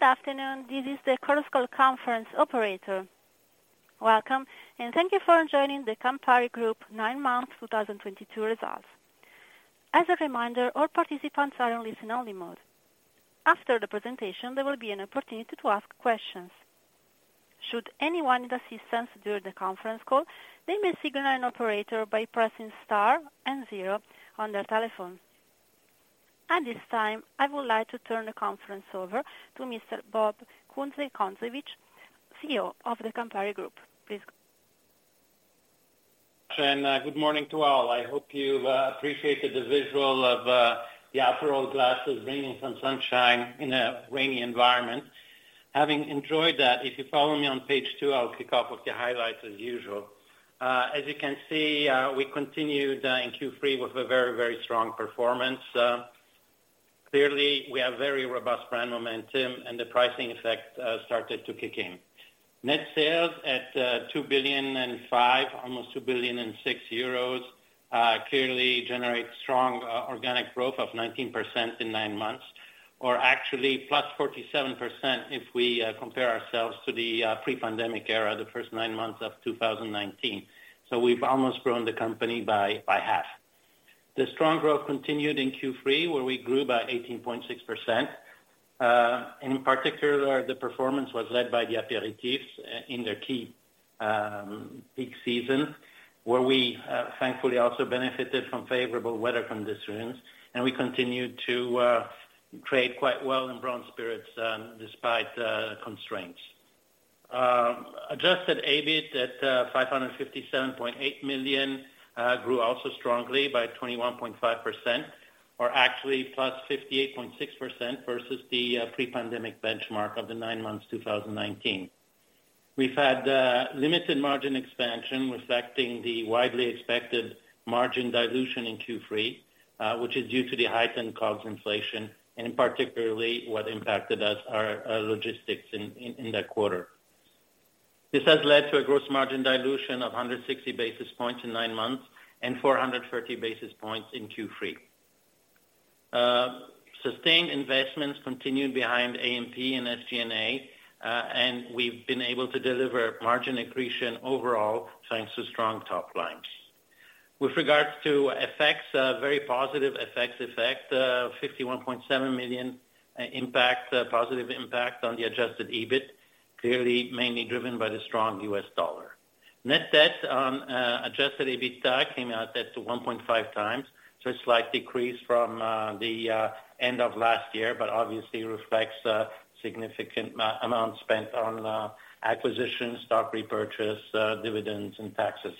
Good afternoon, this is the Chorus Call Conference operator. Welcome, and thank you for joining the Campari Group Nine-Months 2022 Results. As a reminder, all participants are in listen only mode. After the presentation, there will be an opportunity to ask questions. Should anyone need assistance during the conference call, they may signal an operator by pressing star and zero on their telephone. At this time, I would like to turn the conference over to Mr. Bob Kunze-Concewitz, CEO of the Campari Group. Please go ahead. Good morning to all. I hope you appreciated the visual of the Aperol glasses bringing some sunshine in a rainy environment. Having enjoyed that, if you follow me on page two, I'll kick off with the highlights as usual. As you can see, we continued in Q3 with a very, very strong performance. Clearly we have very robust brand momentum and the pricing effect started to kick in. Net sales at 2.05 billion, almost 2.06 billion, clearly generates strong organic growth of 19% in nine months, or actually +47% if we compare ourselves to the pre-pandemic era, the first nine months of 2019. We've almost grown the company by half. The strong growth continued in Q3, where we grew by 18.6%. In particular, the performance was led by the aperitifs in their key peak season, where we thankfully also benefited from favorable weather conditions, and we continued to grow quite well in brown spirits despite constraints. Adjusted EBIT of 557.8 million grew also strongly by 21.5% or actually plus 58.6% versus the pre-pandemic benchmark of the nine months 2019. We've had limited margin expansion affecting the widely expected margin dilution in Q3, which is due to the heightened cost inflation and in particular what impacted us are logistics in that quarter. This has led to a gross margin dilution of 160 basis points in nine months and 430 basis points in Q3. Sustained investments continued behind A&P and SG&A, and we've been able to deliver margin accretion overall, thanks to strong top lines. With regards to FX, a very positive FX effect, 51.7 million positive impact on the adjusted EBIT, clearly mainly driven by the strong U.S. dollar. Net debt to adjusted EBITDA came out at 2.5x. A slight decrease from the end of last year, but obviously reflects a significant amount spent on acquisitions, stock repurchase, dividends and taxes.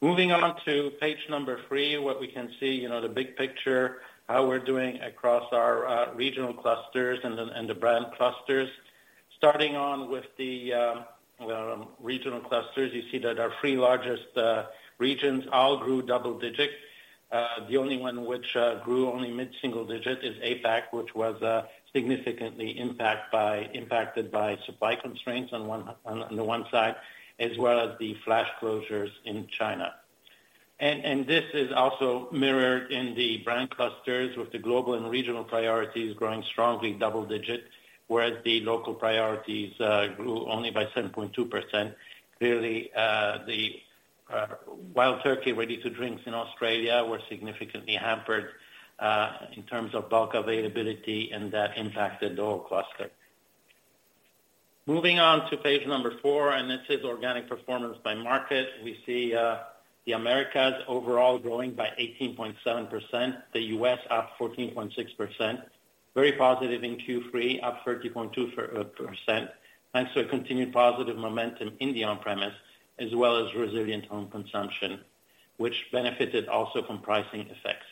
Moving on to page number three, what we can see, you know, the big picture, how we're doing across our regional clusters and the brand clusters. Starting with the regional clusters, you see that our three largest regions all grew double-digit. The only one which grew only mid-single-digit is APAC, which was significantly impacted by supply constraints on the one side, as well as the flash closures in China. This is also mirrored in the brand clusters with the global and regional priorities growing strongly double-digit, whereas the local priorities grew only by 7.2%. Clearly, the Wild Turkey ready to drink in Australia were significantly hampered in terms of bulk availability, and that impacted all clusters. Moving on to page number four, this is organic performance by market. We see the Americas overall growing by 18.7%, the U.S. up 14.6%. Very positive in Q3, up 30.2%, thanks to a continued positive momentum in the on-premise as well as resilient home consumption, which benefited also from pricing effects.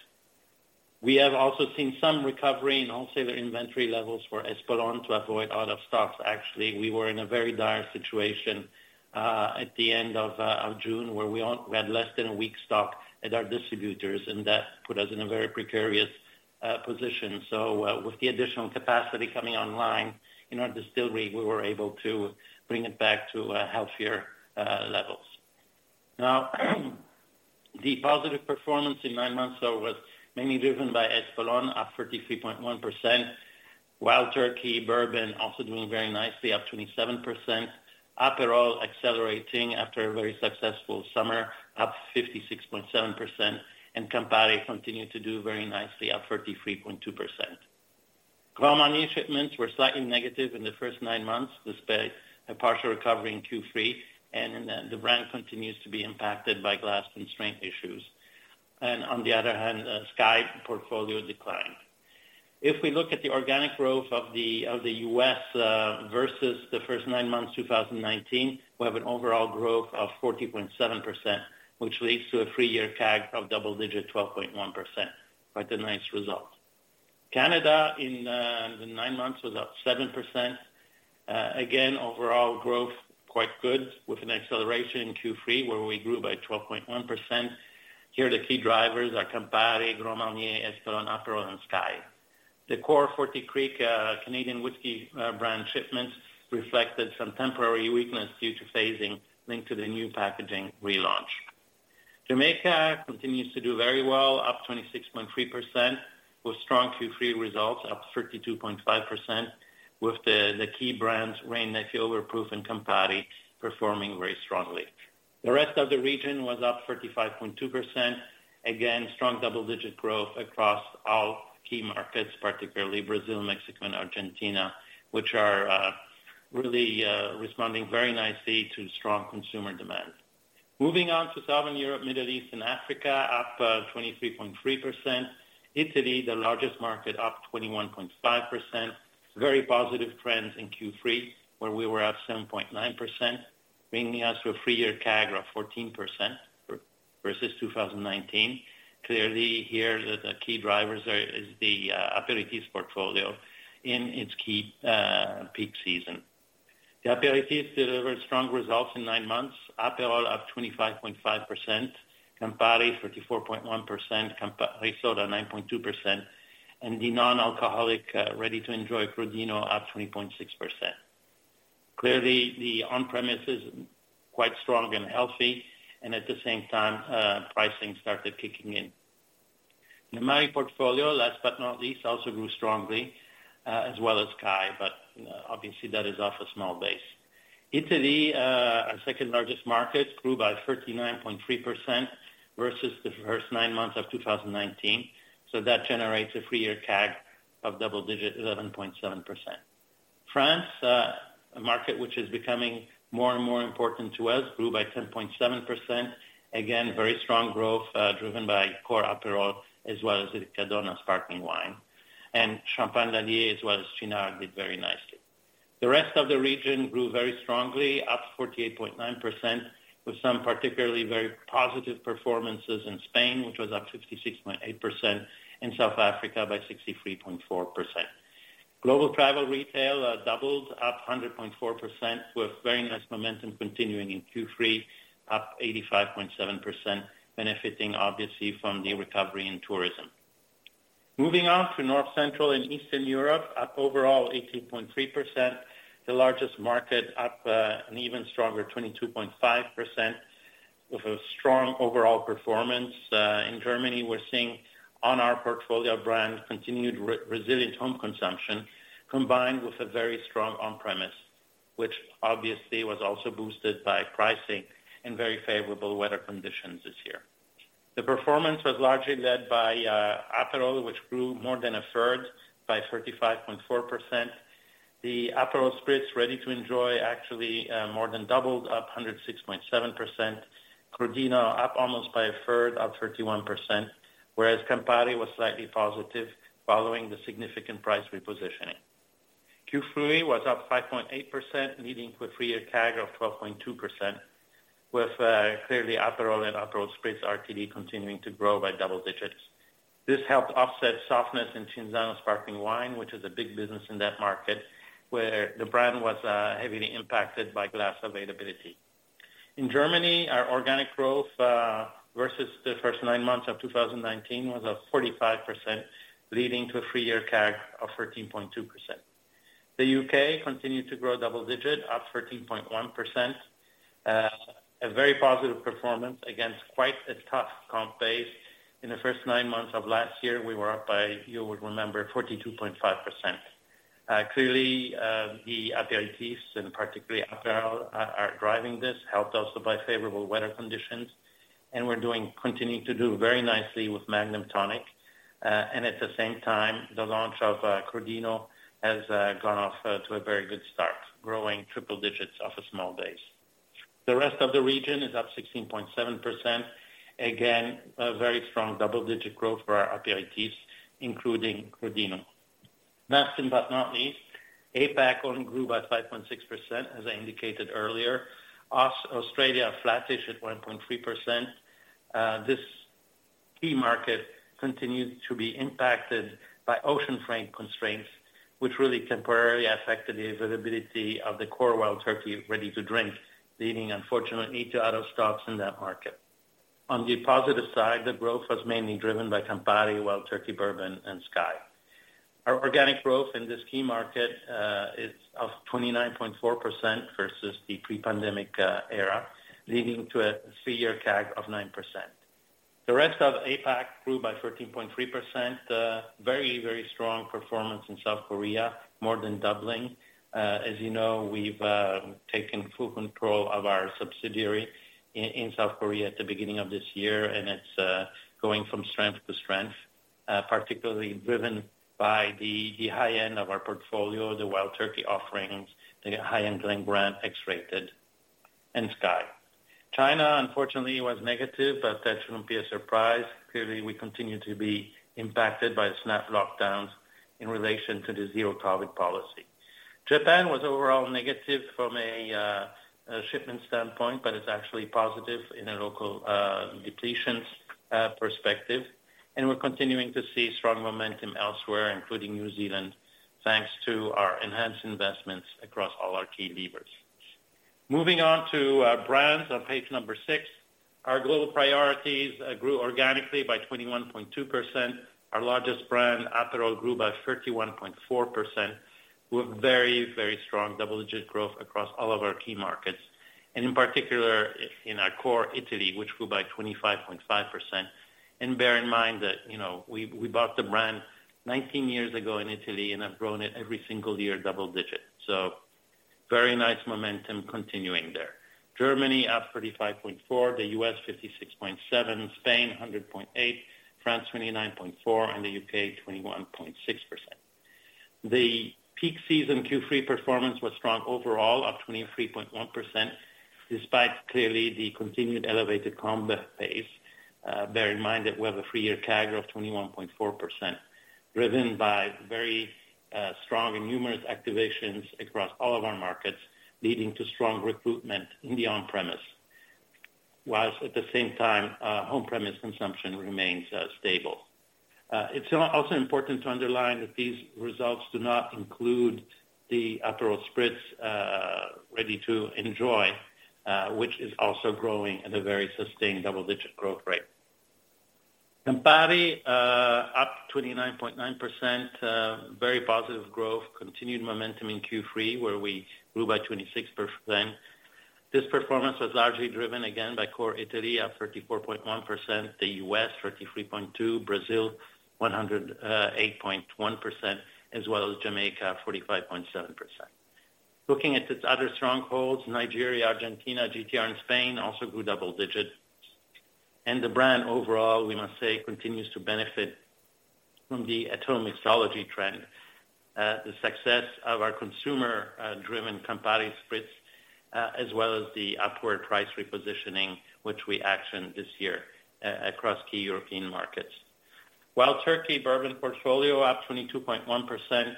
We have also seen some recovery in on-sale inventory levels for Espolòn to avoid out of stocks. Actually, we were in a very dire situation at the end of June, where we had less than a week's stock at our distributors, and that put us in a very precarious position. With the additional capacity coming online in our distillery, we were able to bring it back to healthier levels. Now, the positive performance in nine months was mainly driven by Espolòn, up 33.1%. Wild Turkey bourbon also doing very nicely, up 27%. Aperol accelerating after a very successful summer, up 56.7%. Campari continued to do very nicely, up 33.2%. Grand Marnier shipments were slightly negative in the first nine months, despite a partial recovery in Q3, and the brand continues to be impacted by glass constraint issues. On the other hand, SKYY portfolio declined. If we look at the organic growth of the U.S. versus the first nine months 2019, we have an overall growth of 14.7%, which leads to a three-year CAGR of double-digit 12.1%. Quite a nice result. Canada in the nine months was up 7%. Again, overall growth quite good with an acceleration in Q3 where we grew by 12.1%. Here, the key drivers are Campari, Grand Marnier, Espolòn, Aperol, and SKYY. The core Forty Creek Canadian whiskey brand shipments reflected some temporary weakness due to phasing linked to the new packaging relaunch. Jamaica continues to do very well, up 26.3%, with strong Q3 results up 32.5% with the key brands Wray & Nephew White Overproof and Campari performing very strongly. The rest of the region was up 35.2%. Again, strong double-digit growth across all key markets, particularly Brazil, Mexico and Argentina, which are really responding very nicely to strong consumer demand. Moving on to Southern Europe, Middle East and Africa, up 23.3%. Italy, the largest market, up 21.5%. Very positive trends in Q3, where we were up 7.9%, bringing us to a three-year CAGR of 14% versus 2019. Clearly here, the key drivers are the Aperitifs portfolio in its key peak season. The Aperitifs delivered strong results in nine months, Aperol up 25.5%, Campari 34.1%, Campari Soda 9.2%, and the non-alcoholic ready to enjoy Crodino up 20.6%. Clearly, the on-premise is quite strong and healthy, and at the same time, pricing started kicking in. The Marnier portfolio, last but not least, also grew strongly, as well as SKYY, but obviously that is off a small base. Italy, our second-largest market, grew by 39.3% versus the first nine months of 2019. That generates a three-year CAGR of double-digit 11.7%. France, a market which is becoming more and more important to us, grew by 10.7%. Again, very strong growth, driven by core Aperol as well as the Riccadonna Sparkling Wine. Champagne Lallier as well as Cynar did very nicely. The rest of the region grew very strongly, up 48.9%, with some particularly very positive performances in Spain, which was up 56.8%, and South Africa by 63.4%. Global travel retail doubled up 100.4%, with very nice momentum continuing in Q3, up 85.7%, benefiting obviously from the recovery in tourism. Moving on to North, Central, and Eastern Europe, up overall 18.3%. The largest market up an even stronger 22.5% with a strong overall performance. In Germany, we're seeing on our portfolio brand continued resilient home consumption combined with a very strong on-premise, which obviously was also boosted by pricing and very favorable weather conditions this year. The performance was largely led by Aperol, which grew more than a third by 35.4%. The Aperol Spritz ready to enjoy actually more than doubled up 106.7%. Crodino up almost by a third, up 31%. Whereas Campari was slightly positive following the significant price repositioning. Q3 was up 5.8%, leading to a three-year CAGR of 12.2%, with clearly Aperol and Aperol Spritz RTD continuing to grow by double digits. This helped offset softness in Cinzano sparkling wine, which is a big business in that market, where the brand was heavily impacted by glass availability. In Germany, our organic growth versus the first nine months of 2019 was up 45%, leading to a three-year CAGR of 13.2%. The U.K. continued to grow double digit up 13.1%. A very positive performance against quite a tough comp base. In the first nine months of last year, we were up by, you would remember, 42.5%. Clearly, the aperitifs, and particularly Aperol are driving this, helped also by favorable weather conditions. We're doing, continuing to do very nicely with Magnum Tonic. At the same time, the launch of Crodino has gone off to a very good start, growing triple digits off a small base. The rest of the region is up 16.7%. Again, a very strong double-digit growth for our aperitifs, including Crodino. Last but not least, APAC only grew by 5.6%, as I indicated earlier. Australia, flattish at 1.3%. This key market continued to be impacted by ocean freight constraints, which really temporarily affected the availability of the core Wild Turkey ready-to-drink, leading unfortunately to out of stocks in that market. On the positive side, the growth was mainly driven by Campari, Wild Turkey Bourbon and SKYY. Our organic growth in this key market is 29.4% versus the pre-pandemic era, leading to a three-year CAGR of 9%. The rest of APAC grew by 13.3%. Very strong performance in South Korea, more than doubling. As you know, we've taken full control of our subsidiary in South Korea at the beginning of this year, and it's going from strength to strength, particularly driven by the high-end of our portfolio, the Wild Turkey offerings, the high-end Glen Grant, X-Rated and SKYY. China, unfortunately, was negative, but that shouldn't be a surprise. Clearly, we continue to be impacted by snap lockdowns in relation to the Zero-COVID policy. Japan was overall negative from a shipment standpoint, but it's actually positive in a local depletions perspective. We're continuing to see strong momentum elsewhere, including New Zealand, thanks to our enhanced investments across all our key levers. Moving on to brands on page number six. Our global priorities grew organically by 21.2%. Our largest brand, Aperol, grew by 31.4%. We have very, very strong double-digit growth across all of our key markets, and in particular in our core Italy, which grew by 25.5%. Bear in mind that, you know, we bought the brand 19 years ago in Italy, and have grown it every single year double digits. Very nice momentum continuing there. Germany up 35.4%, the U.S. 56.7%, Spain 100.8%, France 29.4%, and the U.K. 21.6%. The peak season Q3 performance was strong overall, up 23.1%, despite clearly the continued elevated comp base. Bear in mind that we have a three-year CAGR of 21.4%, driven by very strong and numerous activations across all of our markets, leading to strong recruitment in the on-premise. While at the same time, off-premise consumption remains stable. It's also important to underline that these results do not include the Aperol Spritz ready to enjoy, which is also growing at a very sustained double-digit growth rate. Campari up 29.9%. Very positive growth, continued momentum in Q3, where we grew by 26%. This performance was largely driven again by core Italy at 34.1%, the U.S. 33.2%, Brazil 108.1%, as well as Jamaica 45.7%. Looking at its other strongholds, Nigeria, Argentina, GTR, and Spain also grew double digits. The brand overall, we must say, continues to benefit from the at-home mixology trend. The success of our consumer driven Campari Spritz, as well as the upward price repositioning, which we actioned this year across key European markets. Wild Turkey bourbon portfolio up 22.1%.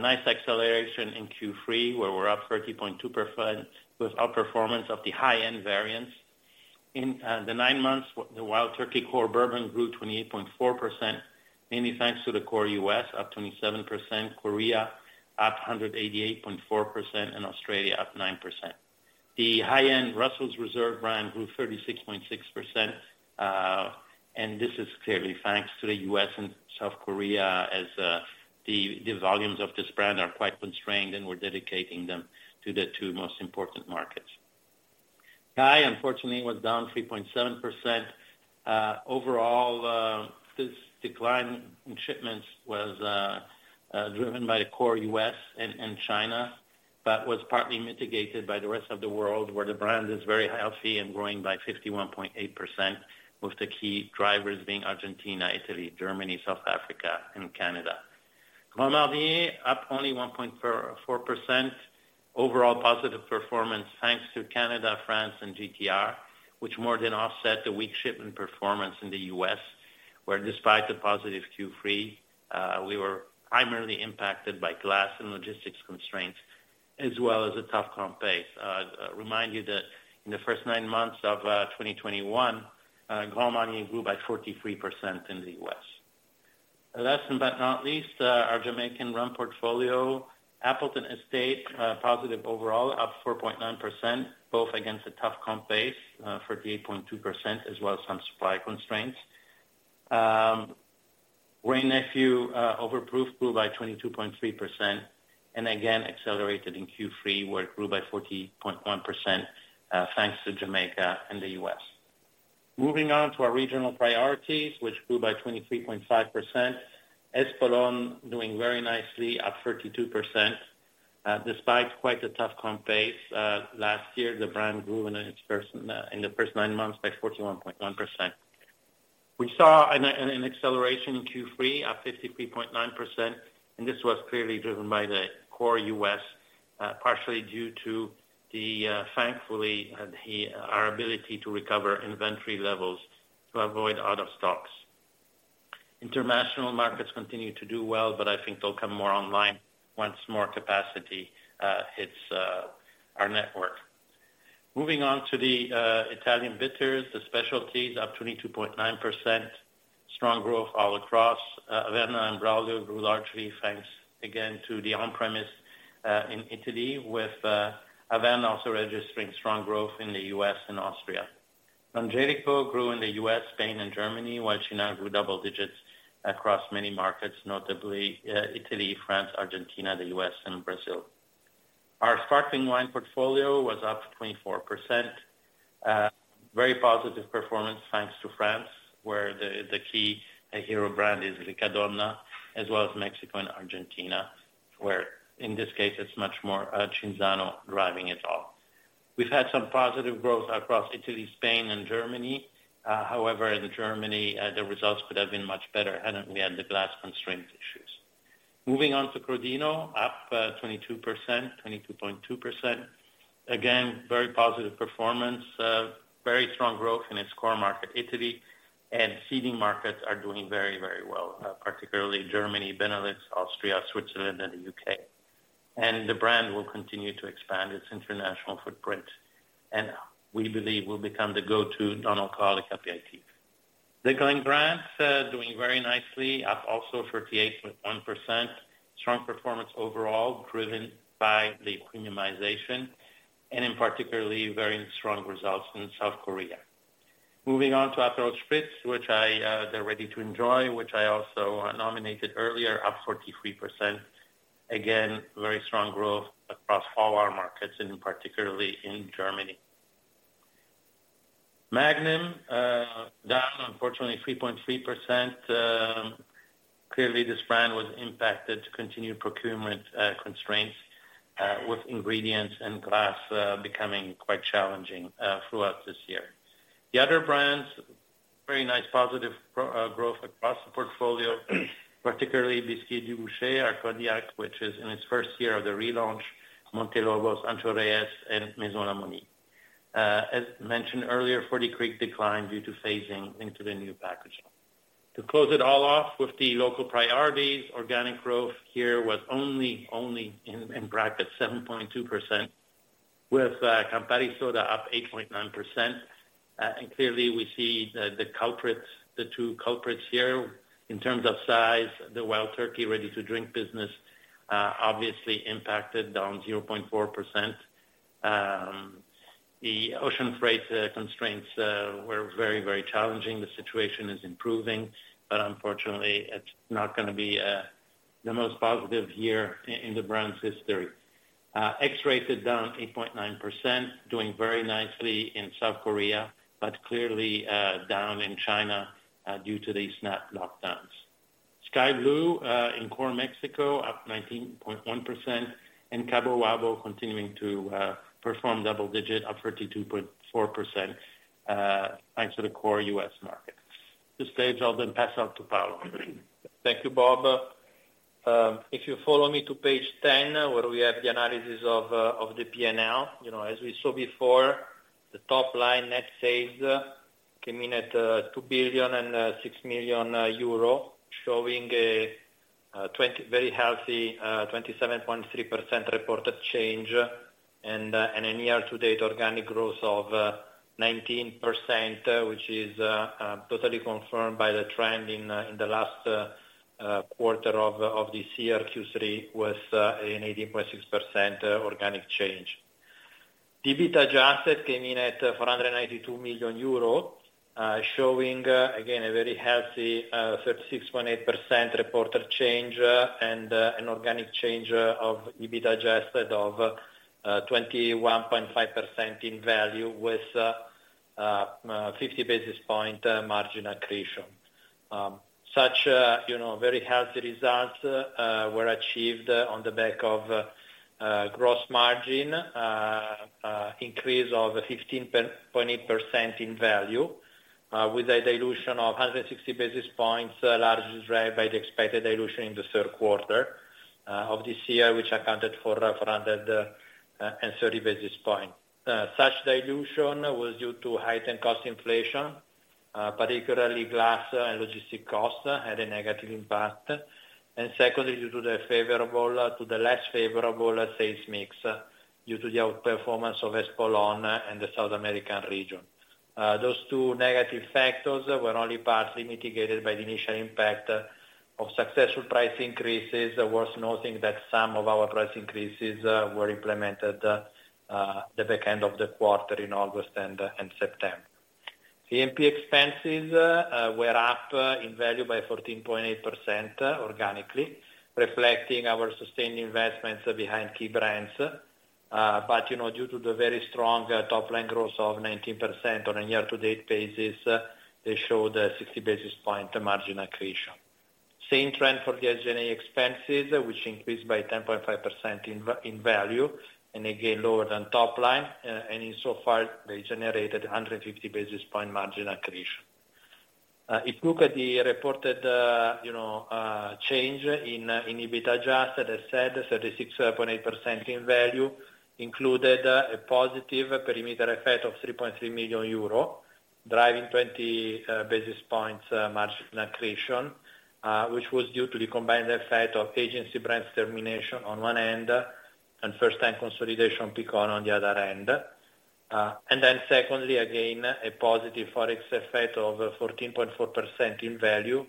Nice acceleration in Q3, where we're up 30.2%, with outperformance of the high-end variants. In the nine months, the Wild Turkey core bourbon grew 28.4%, mainly thanks to the core U.S., up 27%, Korea up 188.4%, and Australia up 9%. The high-end Russell's Reserve brand grew 36.6%. This is clearly thanks to the U.S. and South Korea as the volumes of this brand are quite constrained, and we're dedicating them to the two most important markets. SKYY unfortunately was down 3.7%. Overall, this decline in shipments was driven by the core U.S. and China, but was partly mitigated by the rest of the world, where the brand is very healthy and growing by 51.8%, with the key drivers being Argentina, Italy, Germany, South Africa, and Canada. Grand Marnier up only 1.4%. Overall positive performance thanks to Canada, France, and GTR, which more than offset the weak shipment performance in the U.S., where despite the positive Q3, we were primarily impacted by glass and logistics constraints, as well as a tough comp base. Remind you that in the first nine months of 2021, Grand Marnier grew by 43% in the U.S. Last but not least, our Jamaican rum portfolio. Appleton Estate, positive overall, up 4.9%, both against a tough comp base, 38.2%, as well as some supply constraints. Wray & Nephew Overproof grew by 22.3%, and again accelerated in Q3, where it grew by 40.1%, thanks to Jamaica and the U.S. Moving on to our regional priorities, which grew by 23.5%. Espolòn doing very nicely at 32%, despite quite a tough comp base. Last year, the brand grew in the first nine months by 41.1%. We saw an acceleration in Q3 at 53.9%, and this was clearly driven by the core U.S., partially due to thankfully our ability to recover inventory levels to avoid out of stocks. International markets continue to do well, but I think they'll come more online once more capacity hits our network. Moving on to the Italian bitters, the specialties up 22.9%. Strong growth all across. Averna and Braulio grew largely thanks again to the on-premise in Italy, with Averna also registering strong growth in the U.S. and Austria. Frangelico grew in the U.S., Spain, and Germany, while Chinato grew double digits across many markets, notably Italy, France, Argentina, the U.S., and Brazil. Our sparkling wine portfolio was up 24%. Very positive performance thanks to France, where the key hero brand is Riccadonna, as well as Mexico and Argentina, where in this case it's much more Cinzano driving it all. We've had some positive growth across Italy, Spain, and Germany. However, in Germany the results could have been much better hadn't we had the glass constraint issues. Moving on to Crodino, up 22%, 22.2%. Again, very positive performance. Very strong growth in its core market, Italy, and seeding markets are doing very, very well, particularly Germany, Benelux, Austria, Switzerland, and the U.K. The brand will continue to expand its international footprint, and we believe will become the go-to non-alcoholic aperitif. The growing brands doing very nicely, up also 38.1%. Strong performance overall, driven by the premiumization and in particular very strong results in South Korea. Moving on to Aperol Spritz, which I, they're ready to enjoy, which I also nominated earlier, up 43%. Again, very strong growth across all our markets and particularly in Germany. Magnum down unfortunately 3.3%. Clearly this brand was impacted by continued procurement constraints with ingredients and glass becoming quite challenging throughout this year. The other brands, very nice positive growth across the portfolio, particularly Bisquit & Dubouché, our cognac, which is in its first year of the relaunch, Montelobos, Ancho Reyes, and Maison La Mauny. As mentioned earlier, Forty Creek declined due to phasing into the new packaging. To close it all off with the local priorities, organic growth here was only 7.2% with Campari Soda up 8.9%. Clearly we see the two culprits here in terms of size, the Wild Turkey ready-to-drink business obviously impacted -0.4%. The ocean freight constraints were very challenging. The situation is improving, but unfortunately it's not gonna be the most positive year in the brand's history. X-Rated -8.9%, doing very nicely in South Korea, but clearly down in China due to the snap lockdowns. SKYY Blue in core Mexico up 19.1%, and Cabo Wabo continuing to perform double digit up 32.4%, thanks to the core U.S. market. This stage I'll then pass on to Paolo. Thank you, Bob. If you follow me to page 10 where we have the analysis of the P&L. You know, as we saw before, the top line net sales came in at 2.006 billion, showing a very healthy 27.3% reported change and a year-to-date organic growth of 19%, which is totally confirmed by the trend in the last quarter of this year, Q3 was an 18.6% organic change. EBIT adjusted came in at 492 million euro, showing again a very healthy 36.8% reported change, and an organic change of EBIT adjusted of 21.5% in value with 50 basis points margin accretion. You know, very healthy results were achieved on the back of a gross margin increase of 15.8% in value, with a dilution of 160 basis points, largely driven by the expected dilution in the third quarter of this year, which accounted for 430 basis points. Such dilution was due to heightened cost inflation, particularly glass and logistic costs had a negative impact. Secondly, due to the less favorable sales mix due to the outperformance of Espolòn in the South American region. Those two negative factors were only partly mitigated by the initial impact of successful price increases. Worth noting that some of our price increases were implemented the back end of the quarter in August and September. A&P expenses were up in value by 14.8% organically, reflecting our sustained investments behind key brands. You know, due to the very strong top line growth of 19% on a year-to-date basis, they showed a 60 basis point margin accretion. Same trend for the SG&A expenses, which increased by 10.5% in value and again, lower than top line. Insofar, they generated a 150 basis point margin accretion. If you look at the reported change in EBIT adjusted, as said, 36.8% in value included a positive perimeter effect of 3.3 million euro, driving 20 basis points margin accretion, which was due to the combined effect of agency brands termination on one end and first time consolidation Picon on the other end. Secondly, again, a positive Forex effect of 14.4% in value,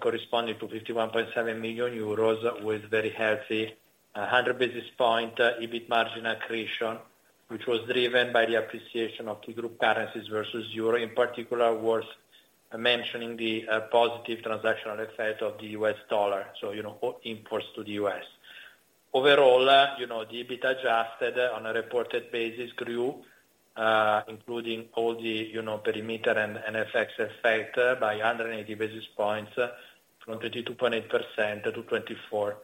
corresponding to 51.7 million euros with very healthy 100 basis points EBIT margin accretion, which was driven by the appreciation of key group currencies versus the euro. In particular, worth mentioning the positive transactional effect of the U.S. dollar, you know, for imports to the U.S.. Overall, you know, the EBIT adjusted on a reported basis grew, including all the, you know, perimeter and FX effect by 180 basis points from 32.8% to 24.5%.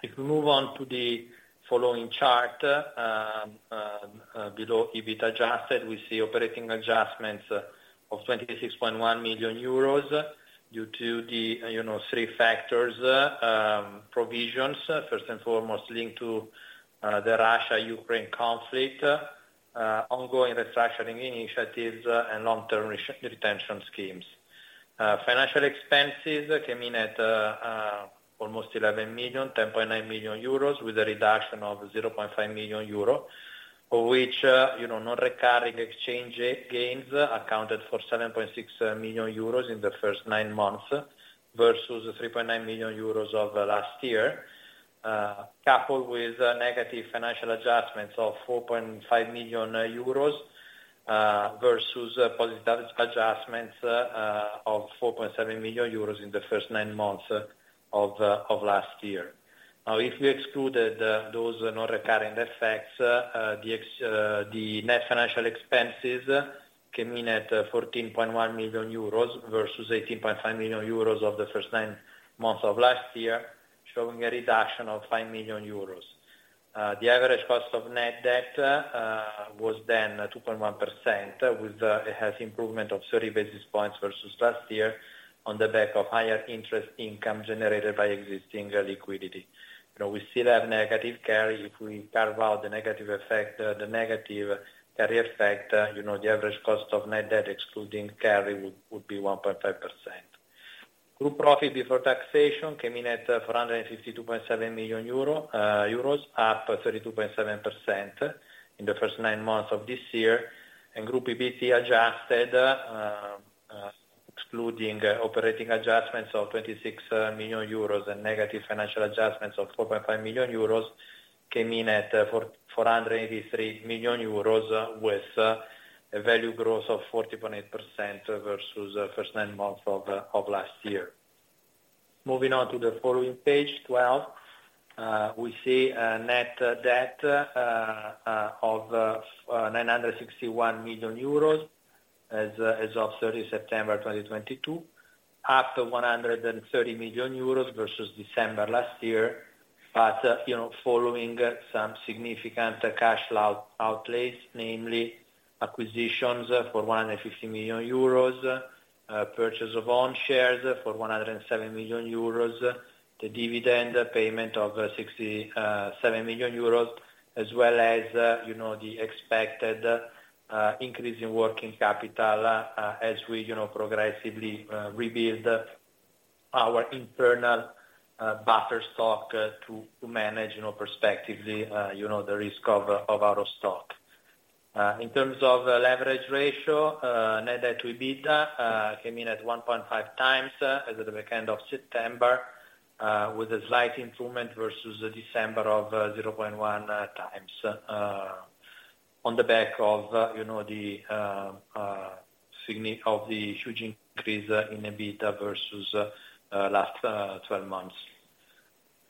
If we move on to the following chart, below EBIT adjusted, we see operating adjustments of 26.1 million euros due to the, you know, three factors, provisions, first and foremost linked to the Russia-Ukraine conflict, ongoing restructuring initiatives and long-term retention schemes. Financial expenses came in at almost 11 million, 10.9 million euros with a reduction of 500,000 euro of which non-recurring exchange gains accounted for 7.6 million euros in the first nine months versus 3.9 million euros of last year. Coupled with negative financial adjustments of 4.5 million euros versus positive adjustments of 4.7 million euros in the first nine months of last year. Now, if we excluded those non-recurring effects, the net financial expenses came in at 14.1 million euros versus 18.5 million euros of the first nine months of last year, showing a reduction of 5 million euros. The average cost of net debt was then 2.1% with a healthy improvement of 30 basis points versus last year on the back of higher interest income generated by existing liquidity. You know, we still have negative carry. If we carve out the negative effect, the negative carry effect, you know, the average cost of net debt, excluding carry, would be 1.5%. Group profit before taxation came in at 452.7 million euro, up 32.7% in the first nine months of this year. Group EBIT adjusted, excluding operating adjustments of 26 million euros and negative financial adjustments of 4.5 million euros, came in at 483 million euros, with a value growth of 14.8% versus the first nine months of last year. Moving on to the following page 12, we see a net debt of 961 million euros as of 30 September 2022, up 130 million euros versus December last year. You know, following some significant cash outlays, namely acquisitions for 150 million euros, purchase of own shares for 107 million euros, the dividend payment of 67 million euros, as well as, you know, the expected increase in working capital, as we, you know, progressively rebuild our internal buffer stock to manage, you know, prospectively, you know, the risk of out of stock. In terms of leverage ratio, net debt to EBITDA came in at 1.5x as at the end of September, with a slight improvement versus the December of 0.1x, on the back of, you know, the significance of the huge increase in EBITDA versus last twelve months.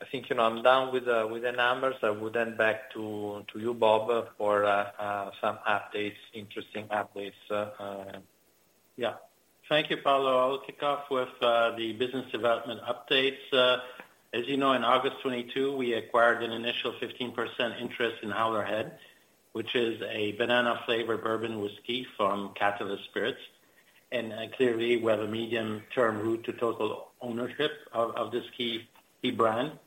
I think, you know, I'm done with the numbers. I would hand back to you, Bob, for some interesting updates. Yeah. Thank you, Paolo. I'll kick off with the business development updates. As you know, in August 2022, we acquired an initial 15% interest in Howler Head, which is a banana-flavored bourbon whiskey from Catalyst Spirits. Clearly, we have a medium-term route to total ownership of this key brand.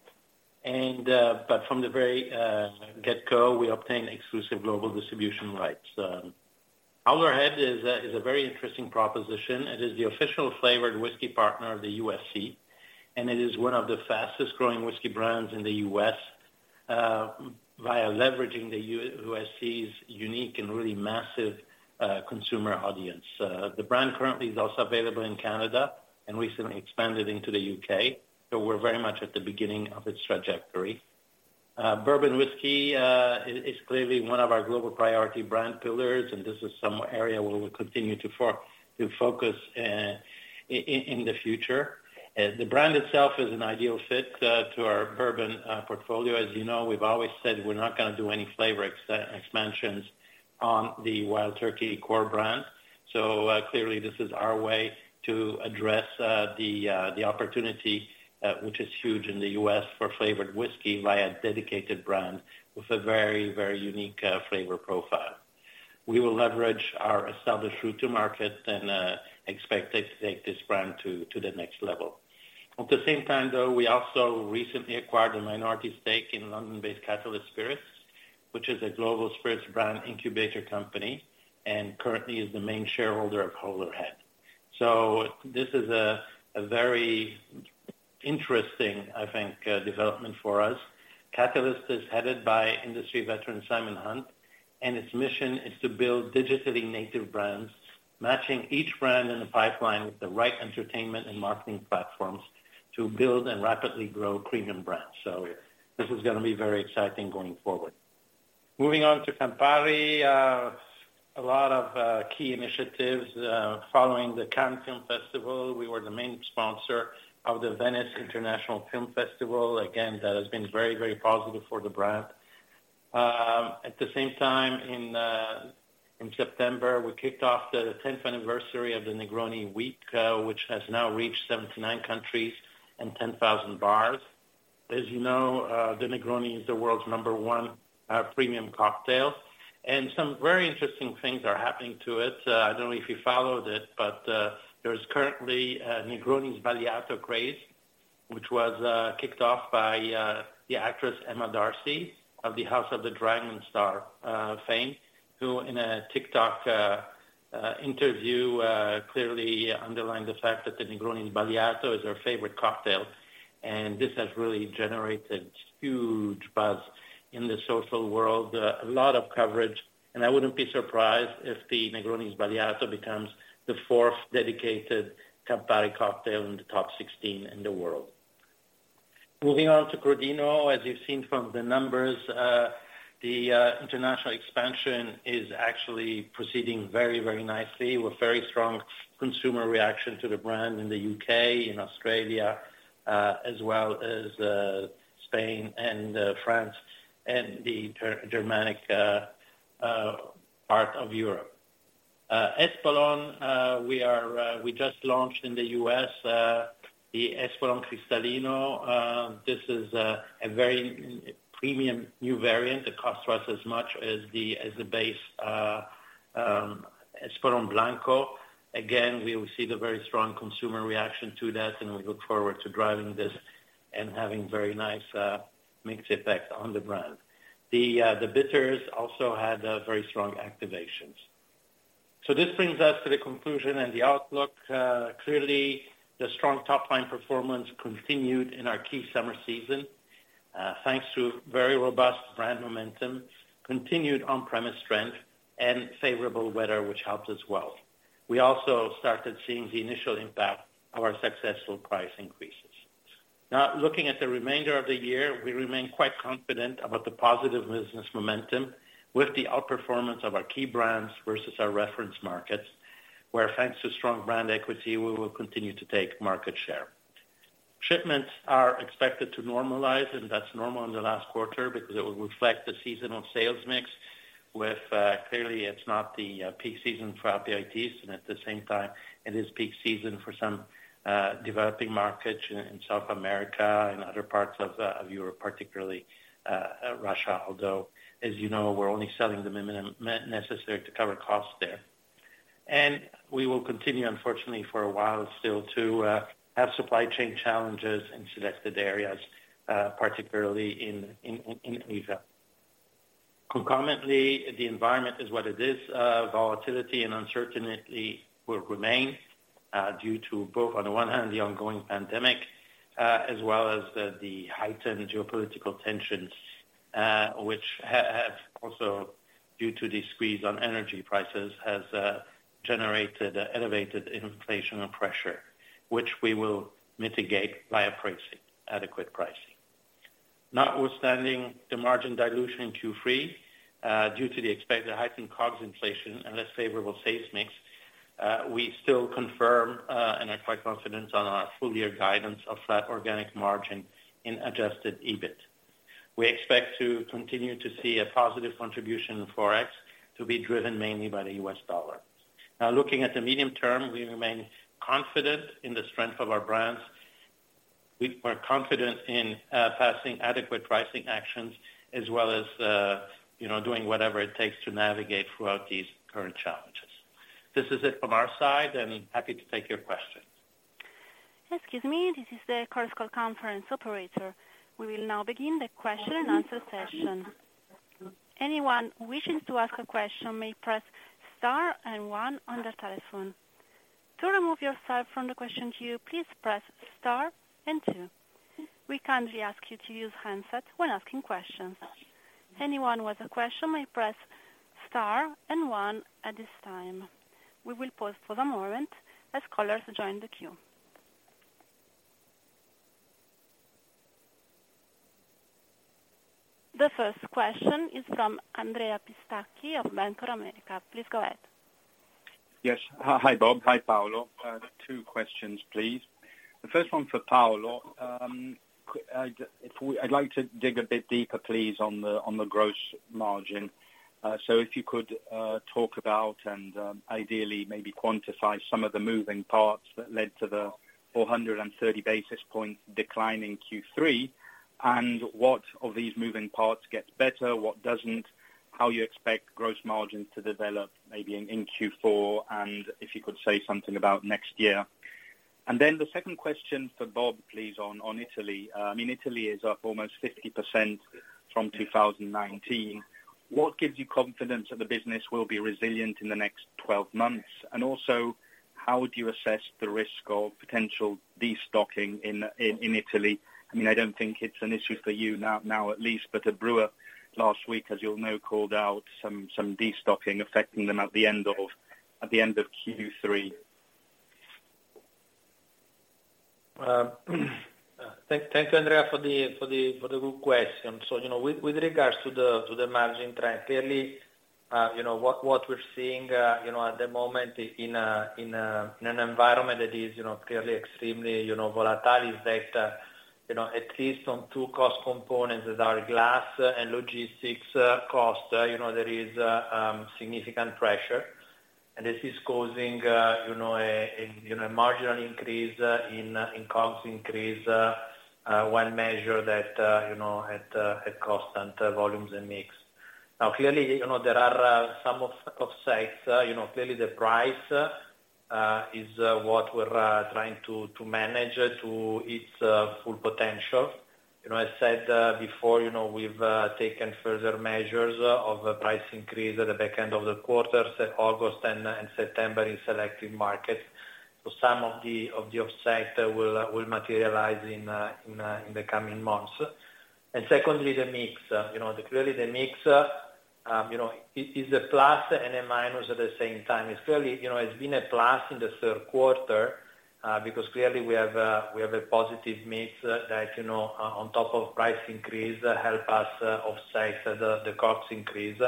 But from the very get-go, we obtain exclusive global distribution rights. Howler Head is a very interesting proposition. It is the official flavored whiskey partner of the UFC, and it is one of the fastest-growing whiskey brands in the U.S., via leveraging the UFC's unique and really massive consumer audience. The brand currently is also available in Canada and recently expanded into the U.K. We're very much at the beginning of its trajectory. Bourbon whiskey is clearly one of our global priority brand pillars, and this is some area where we continue to focus in the future. The brand itself is an ideal fit to our bourbon portfolio. As you know, we've always said we're not gonna do any flavor expansions on the Wild Turkey core brand. Clearly this is our way to address the opportunity, which is huge in the U.S. for flavored whiskey via dedicated brand with a very unique flavor profile. We will leverage our established route to market and expect to take this brand to the next level. At the same time, though, we also recently acquired a minority stake in London-based Catalyst Spirits, which is a global spirits brand incubator company, and currently is the main shareholder of Howler Head. This is a very interesting, I think, development for us. Catalyst is headed by industry veteran Simon Hunt, and its mission is to build digitally native brands, matching each brand in the pipeline with the right entertainment and marketing platforms to build and rapidly grow premium brands. This is gonna be very exciting going forward. Moving on to Campari, a lot of key initiatives following the Cannes Film Festival. We were the main sponsor of the Venice International Film Festival. Again, that has been very, very positive for the brand. At the same time, in September, we kicked off the 10th anniversary of the Negroni Week, which has now reached 79 countries and 10,000 bars. As you know, the Negroni is the world's number one premium cocktail, and some very interesting things are happening to it. I don't know if you followed it, but there's currently a Negroni Sbagliato craze, which was kicked off by the actress Emma D'Arcy of the House of the Dragon stardom, who in a TikTok interview clearly underlined the fact that the Negroni Sbagliato is her favorite cocktail. This has really generated huge in the social world, a lot of coverage, and I wouldn't be surprised if the Negroni Sbagliato becomes the fourth dedicated Campari cocktail in the top 16 in the world. Moving on to Crodino, as you've seen from the numbers, the international expansion is actually proceeding very nicely with very strong consumer reaction to the brand in the U.K., in Australia, as well as Spain and France and the Germanic part of Europe. Espolòn, we just launched in the U.S. the Espolòn Cristalino. This is a very premium new variant. It costs us as much as the base Espolòn Blanco. Again, we will see the very strong consumer reaction to that, and we look forward to driving this and having very nice mix effect on the brand. The bitters also had very strong activations. This brings us to the conclusion and the outlook. Clearly, the strong top-line performance continued in our key summer season, thanks to very robust brand momentum, continued on-premise strength and favorable weather, which helped as well. We also started seeing the initial impact of our successful price increases. Now, looking at the remainder of the year, we remain quite confident about the positive business momentum with the outperformance of our key brands versus our reference markets, where, thanks to strong brand equity, we will continue to take market share. Shipments are expected to normalize, and that's normal in the last quarter because it will reflect the seasonal sales mix with clearly it's not the peak season for aperitifs, and at the same time it is peak season for some developing markets in South America and other parts of Europe particularly Russia, although, as you know, we're only selling the minimum necessary to cover costs there. We will continue, unfortunately, for a while still to have supply chain challenges in selected areas particularly in Asia. Concomitantly, the environment is what it is. Volatility and uncertainty will remain due to both, on the one hand, the ongoing pandemic, as well as the heightened geopolitical tensions, which have also, due to the squeeze on energy prices, generated elevated inflation and pressure, which we will mitigate via pricing, adequate pricing. Notwithstanding the margin dilution in Q3 due to the expected heightened COGS inflation and less favorable sales mix, we still confirm and are quite confident on our full year guidance of flat organic margin in adjusted EBIT. We expect to continue to see a positive contribution in Forex to be driven mainly by the U.S. dollar. Now looking at the medium term, we remain confident in the strength of our brands. We are confident in passing adequate pricing actions as well as, you know, doing whatever it takes to navigate throughout these current challenges. This is it from our side, and happy to take your questions. Excuse me. This is the Chorus Call conference operator. We will now begin the question and answer session. Anyone wishing to ask a question may press star and one on their telephone. To remove yourself from the question queue, please press star and two. We kindly ask you to use handset when asking questions. Anyone with a question may press star and one at this time. We will pause for the moment as callers join the queue. The first question is from Andrea Pistacchi of Bank of America. Please go ahead. Yes. Hi, Bob. Hi, Paolo. Two questions, please. The first one for Paolo. I'd like to dig a bit deeper, please, on the gross margin. So if you could talk about, ideally maybe quantify some of the moving parts that led to the 430 basis point decline in Q3 and what of these moving parts gets better, what doesn't, how you expect gross margins to develop maybe in Q4, and if you could say something about next year. The second question for Bob, please, on Italy. I mean, Italy is up almost 50% from 2019. What gives you confidence that the business will be resilient in the next 12 months? Also, how would you assess the risk of potential destocking in Italy? I mean, I don't think it's an issue for you now at least. A brewer last week, as you'll know, called out some destocking affecting them at the end of Q3. Thank you, Andrea, for the good question. You know, with regards to the margin trend, clearly, you know, what we're seeing, you know, at the moment in an environment that is, you know, clearly extremely, you know, volatile is that, you know, at least on two cost components that are glass and logistics cost, you know, there is significant pressure. And this is causing, you know, a marginal increase in costs increase when measured at constant volumes and mix. Now, clearly, you know, there are some offsets. You know, clearly the price is what we're trying to manage to its full potential. You know, I said before, you know, we've taken further measures of price increase at the back end of the quarter, say August and September in selected markets. Some of the offset will materialize in the coming months. Secondly, the mix, you know, clearly it is a plus and a minus at the same time. It's clearly, you know, it's been a plus in the third quarter, because clearly we have a positive mix that, you know, on top of price increase help us offset the COGS increase.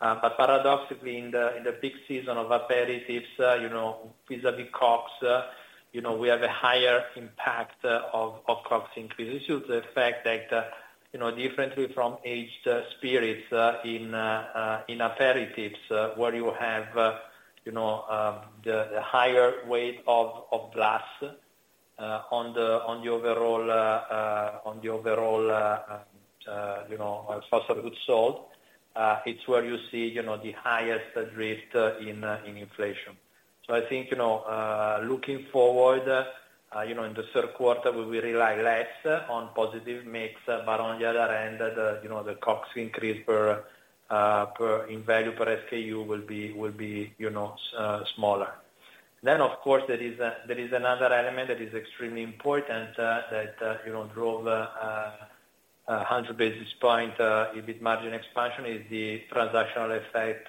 Paradoxically in the peak season of aperitifs, you know, vis-à-vis COGS, you know, we have a higher impact of COGS increases due to the fact that, you know, differently from aged spirits in aperitifs, where you have, you know, the higher weight of glass on the overall cost of goods sold, it's where you see, you know, the highest drift in inflation. I think, you know, in the third quarter we will rely less on positive mix, but on the other hand, the, you know, the COGS increase per unit value per SKU will be, you know, smaller. Of course there is another element that is extremely important, you know, that drove 100 basis points EBIT margin expansion is the transactional effect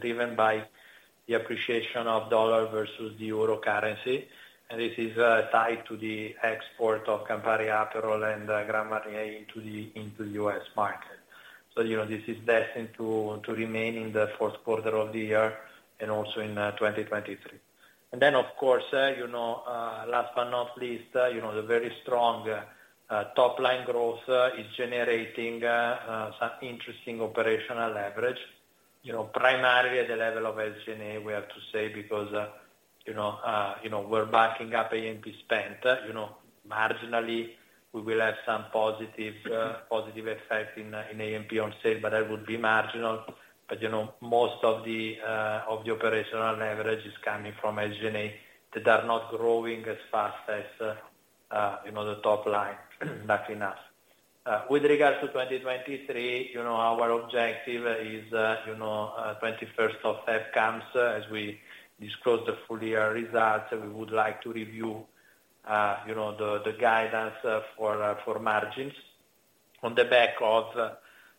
driven by the appreciation of the dollar versus the euro currency. This is tied to the export of Campari, Aperol and Grand Marnier into the U.S. market. You know, this is destined to remain in the fourth quarter of the year and also in 2023. Of course, you know, last but not least, you know, the very strong top line growth is generating some interesting operational leverage, you know, primarily at the level of SG&A, we have to say because, you know, you know, we're backing up A&P spend, you know, marginally we will have some positive effect in A&P on sale, but that would be marginal. But, you know, most of the operational leverage is coming from SG&A that are not growing as fast as, you know, the top line, luckily enough. With regards to 2023, you know, our objective is, you know, 21st of February comes as we disclose the full year results, we would like to review, you know, the guidance for margins on the back of,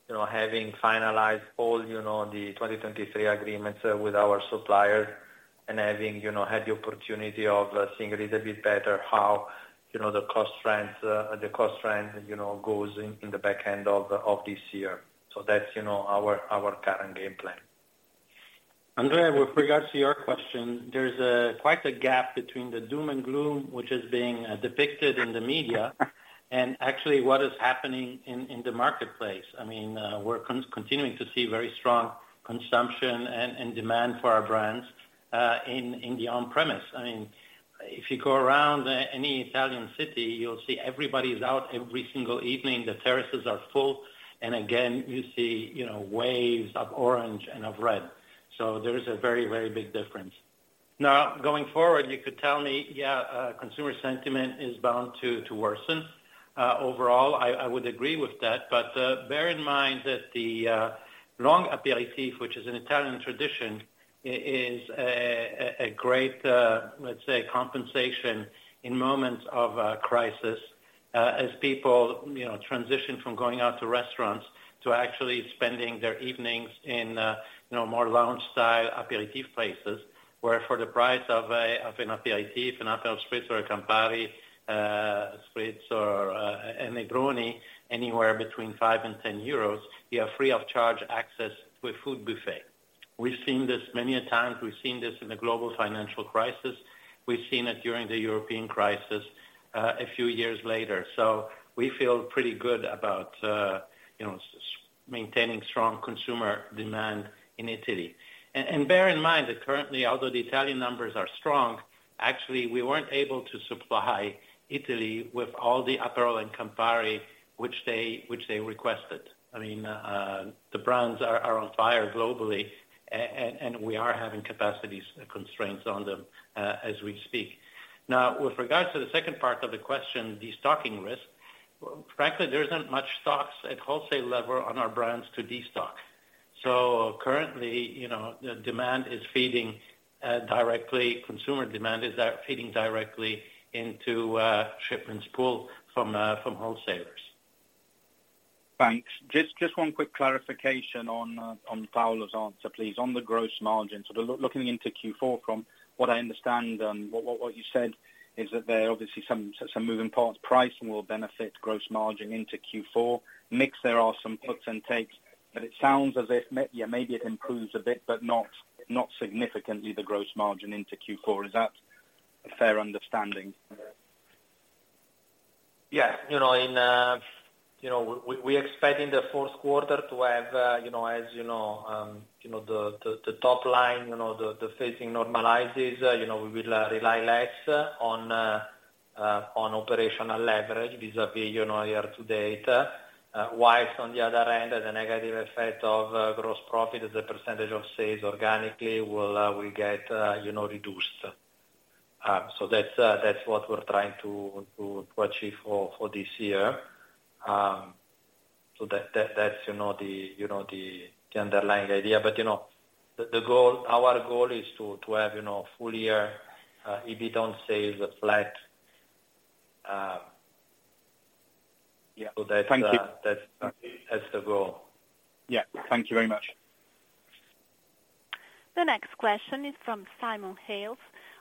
you know, having finalized all, you know, the 2023 agreements with our suppliers and having, you know, had the opportunity of seeing a little bit better how, you know, the cost trends goes in the back end of this year. That's our current game plan. Andrea, with regards to your question, there's quite a gap between the doom and gloom, which is being depicted in the media and actually what is happening in the marketplace. I mean, we're continuing to see very strong consumption and demand for our brands in the on-premise. I mean, if you go around any Italian city, you'll see everybody's out every single evening. The terraces are full, and again, you see, you know, waves of orange and of red. There is a very big difference. Now, going forward, you could tell me, yeah, consumer sentiment is bound to worsen. Overall, I would agree with that, but bear in mind that the long aperitif, which is an Italian tradition, is a great, let's say, compensation in moments of crisis, as people, you know, transition from going out to restaurants to actually spending their evenings in, you know, more lounge style aperitif places, where for the price of an aperitif, an Aperol Spritz or a Campari Spritz or a Negroni, anywhere between 5-10 euros, you have free of charge access to a food buffet. We've seen this many a times. We've seen this in the global financial crisis. We've seen it during the European crisis, a few years later. We feel pretty good about, you know, maintaining strong consumer demand in Italy. Bear in mind that currently, although the Italian numbers are strong, actually we weren't able to supply Italy with all the Aperol and Campari which they requested. I mean, the brands are on fire globally and we are having capacity constraints on them as we speak. Now, with regards to the second part of the question, destocking risk, frankly, there isn't much stock at wholesale level on our brands to destock. Currently, you know, consumer demand is feeding directly into shipments pulled from wholesalers. Thanks. Just one quick clarification on Paolo's answer, please, on the gross margin. Looking into Q4 from what I understand and what you said is that there are obviously some moving parts. Pricing will benefit gross margin into Q4. Mix, there are some puts and takes, but it sounds as if maybe it improves a bit, but not significantly the gross margin into Q4. Is that a fair understanding? Yeah. You know, you know, we expect in the fourth quarter to have, you know, as you know, you know, the top line, you know, the FXing normalizes, you know, we will rely less on operational leverage vis-a-vis year-to-date. While on the other hand, the negative effect of gross profit as a percentage of sales organically will get reduced. That's what we're trying to achieve for this year. That's, you know, the underlying idea. You know, the goal, our goal is to have a full year, if you don't say the flat. Yeah. Thank you. That's the goal. Yeah. Thank you very much. The next question is from Simon Hales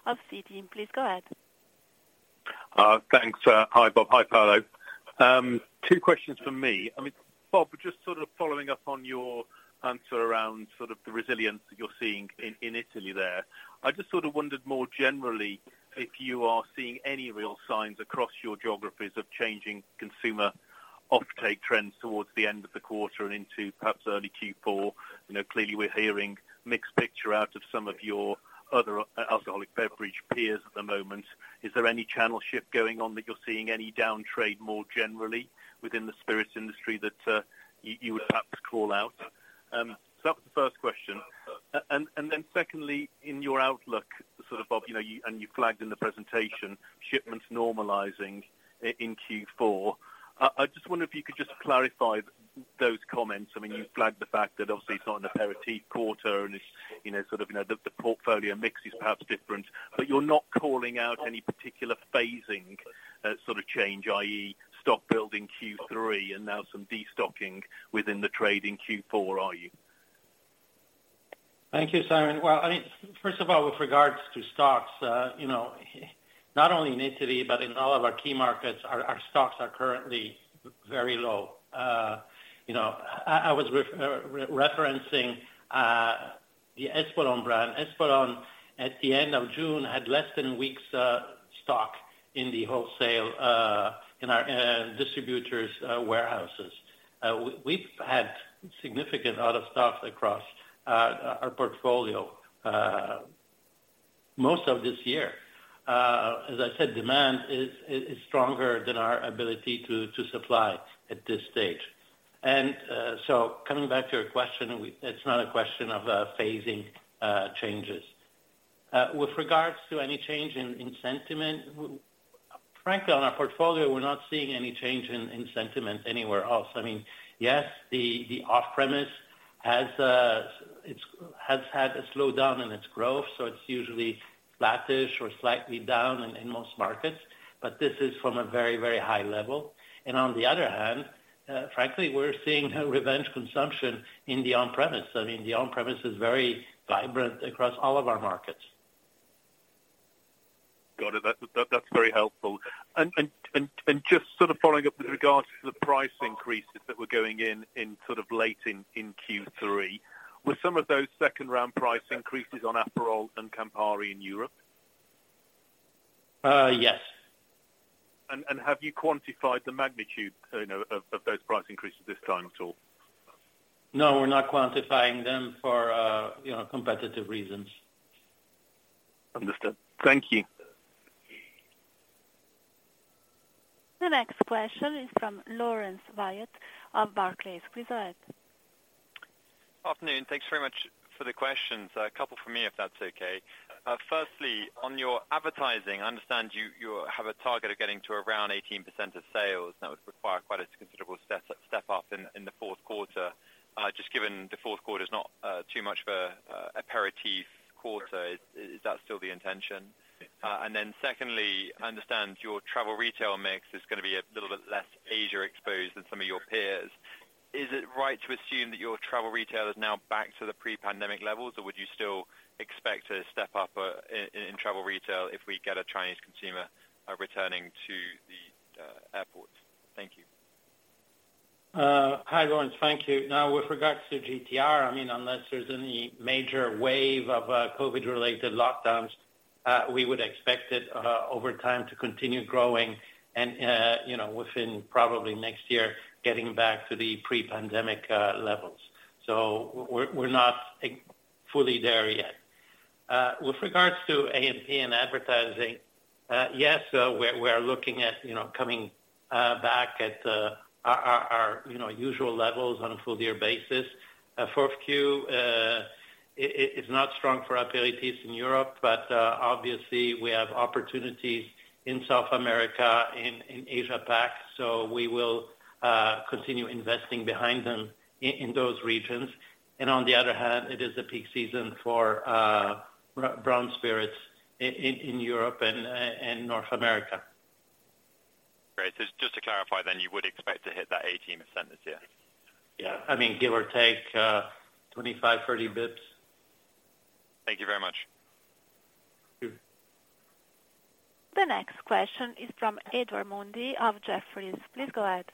of Citi. Please go ahead. Thanks. Hi, Bob. Hi, Paolo. Two questions from me. I mean, Bob, just sort of following up on your answer around sort of the resilience that you're seeing in Italy there. I just sort of wondered more generally, if you are seeing any real signs across your geographies of changing consumer offtake trends towards the end of the quarter and into perhaps early Q4. You know, clearly we're hearing mixed picture out of some of your other alcoholic beverage peers at the moment. Is there any channel shift going on that you're seeing any downtrade more generally within the spirits industry that you would perhaps call out? So that's the first question. And then secondly, in your outlook, sort of, Bob, you know, and you flagged in the presentation shipments normalizing in Q4. I just wonder, if you could just clarify those comments. I mean, you flagged the fact that obviously, it's not an aperitif quarter and it's, you know, sort of, you know, the portfolio mix is perhaps different, but you're not calling out any particular phasing sort of change, i.e. stock build in Q3 and now some destocking within the trade in Q4, are you? Thank you, Simon. Well, I mean, first of all, with regards to stocks, not only in Italy, but in all of our key markets, our stocks are currently very low. I was referencing the Espolòn brand. Espolòn at the end of June had less than a week's stock in the wholesale, in our distributors' warehouses. We've had significant out of stocks across our portfolio most of this year. As I said, demand is stronger than our ability to supply at this stage. Coming back to your question, it's not a question of phasing changes. With regards to any change in sentiment, well, frankly, on our portfolio, we're not seeing any change in sentiment anywhere else. I mean, yes, the off-premise has had a slowdown in its growth, so it's usually flattish or slightly down in most markets, but this is from a very, very high level. On the other hand, frankly, we're seeing revenge consumption in the on-premise. I mean, the on-premise is very vibrant across all of our markets. Got it. That's very helpful. Just sort of following up with regards to the price increases that were going in sort of late in Q3, were some of those second-round price increases on Aperol and Campari in Europe? Yes. Have you quantified the magnitude, you know, of those price increases this time at all? No, we're not quantifying them for, you know, competitive reasons. Understood. Thank you. The next question is from Laurence Whyatt of Barclays. Please go ahead. Afternoon. Thanks very much for the questions. A couple from me, if that's okay. Firstly, on your advertising, I understand you have a target of getting to around 18% of sales. That would require quite a considerable step up in the fourth quarter. Just given the fourth quarter is not too much of a aperitif quarter, is that still the intention? Secondly, I understand your travel retail mix is gonna be a little bit less Asia exposed than some of your peers. Is it right to assume that your travel retail is now back to the pre-pandemic levels, or would you still expect to step up in travel retail if we get a Chinese consumer returning to the airports? Thank you. Hi, Laurence. Thank you. Now, with regards to GTR, I mean, unless there's any major wave of COVID-related lockdowns, we would expect it over time to continue growing and, you know, within probably next year getting back to the pre-pandemic levels. We're not fully there yet. With regards to A&P and advertising, yes, we're looking at, you know, coming back at our usual levels on a full year basis. Fourth Q is not strong for aperitifs in Europe, but obviously we have opportunities in South America, in Asia Pac, so we will continue investing behind them in those regions. On the other hand, it is a peak season for brown spirits in Europe and North America. Great. Just to clarify then, you would expect to hit that 18% this year? Yeah. I mean, give or take, 25–30 basis points. Thank you very much. Thank you. The next question is from Edward Mundy of Jefferies. Please go ahead.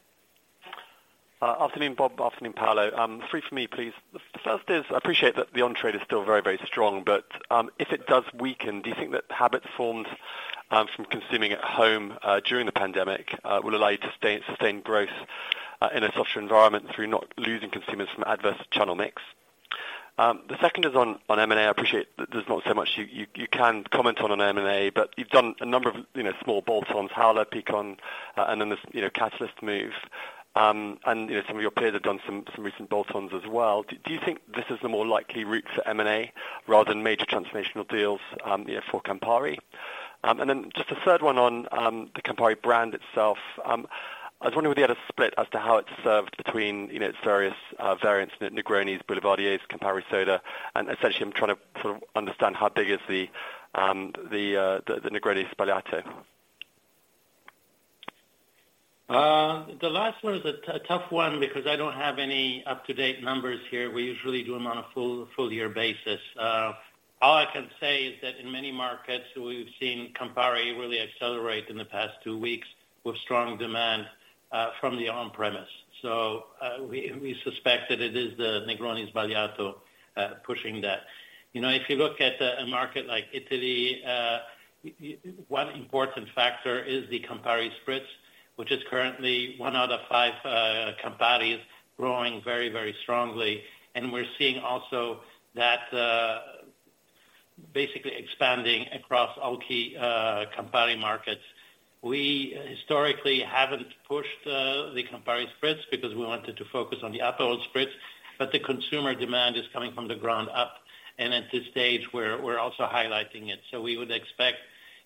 Afternoon, Bob. Afternoon, Paolo. Three from me, please. The first is, I appreciate that the on-trade is still very, very strong, but if it does weaken, do you think that habits formed from consuming at home during the pandemic will allow you to sustain growth in a softer environment through not losing consumers from adverse channel mix? The second is on M&A. I appreciate that there's not so much you can comment on M&A, but you've done a number of, you know, small bolt-ons, Howler, Picon, and then this, you know, Catalyst move. You know, some of your peers have done some recent bolt-ons as well. Do you think this is the more likely route for M&A rather than major transformational deals, you know, for Campari? Just a third one on the Campari brand itself. I was wondering whether you had a split as to how it's served between, you know, its various variants, Negronis, Boulevardiers, Campari Soda, and essentially I'm trying to sort of understand how big is the Negroni Sbagliato. The last one is a tough one because I don't have any up-to-date numbers here. We usually do them on a full year basis. All I can say is that in many markets we've seen Campari really accelerate in the past two weeks with strong demand from the on-premise. We suspect that it is the Negroni Sbagliato pushing that. You know, if you look at a market like Italy, one important factor is the Campari Spritz, which is currently one out of five Camparis growing very strongly. We're seeing also that basically expanding across all key Campari markets. We historically haven't pushed the Campari Spritz because we wanted to focus on the Aperol Spritz, but the consumer demand is coming from the ground up, and at this stage we're also highlighting it. We would expect,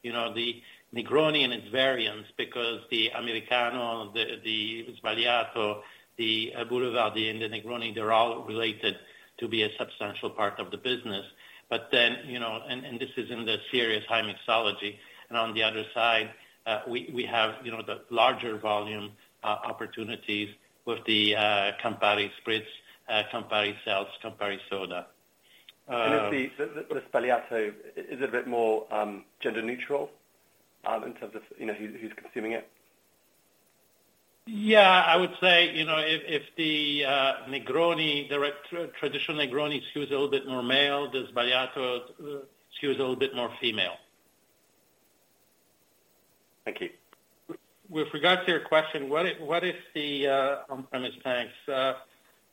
you know, the Negroni and its variants because the Americano, the Sbagliato, the Boulevardier, and the Negroni, they're all related to be a substantial part of the business. Then, you know, and this is in the serious high mixology. On the other side, we have, you know, the larger volume opportunities with the Campari Spritz, Campari Seltz, Campari Soda. Is the Sbagliato a bit more gender neutral in terms of, you know, who's consuming it? Yeah, I would say, you know, if the Negroni, the traditional Negroni skews a little bit more male, the Sbagliato skews a little bit more female. Thank you. With regards to your question, what if the on-premise tanks?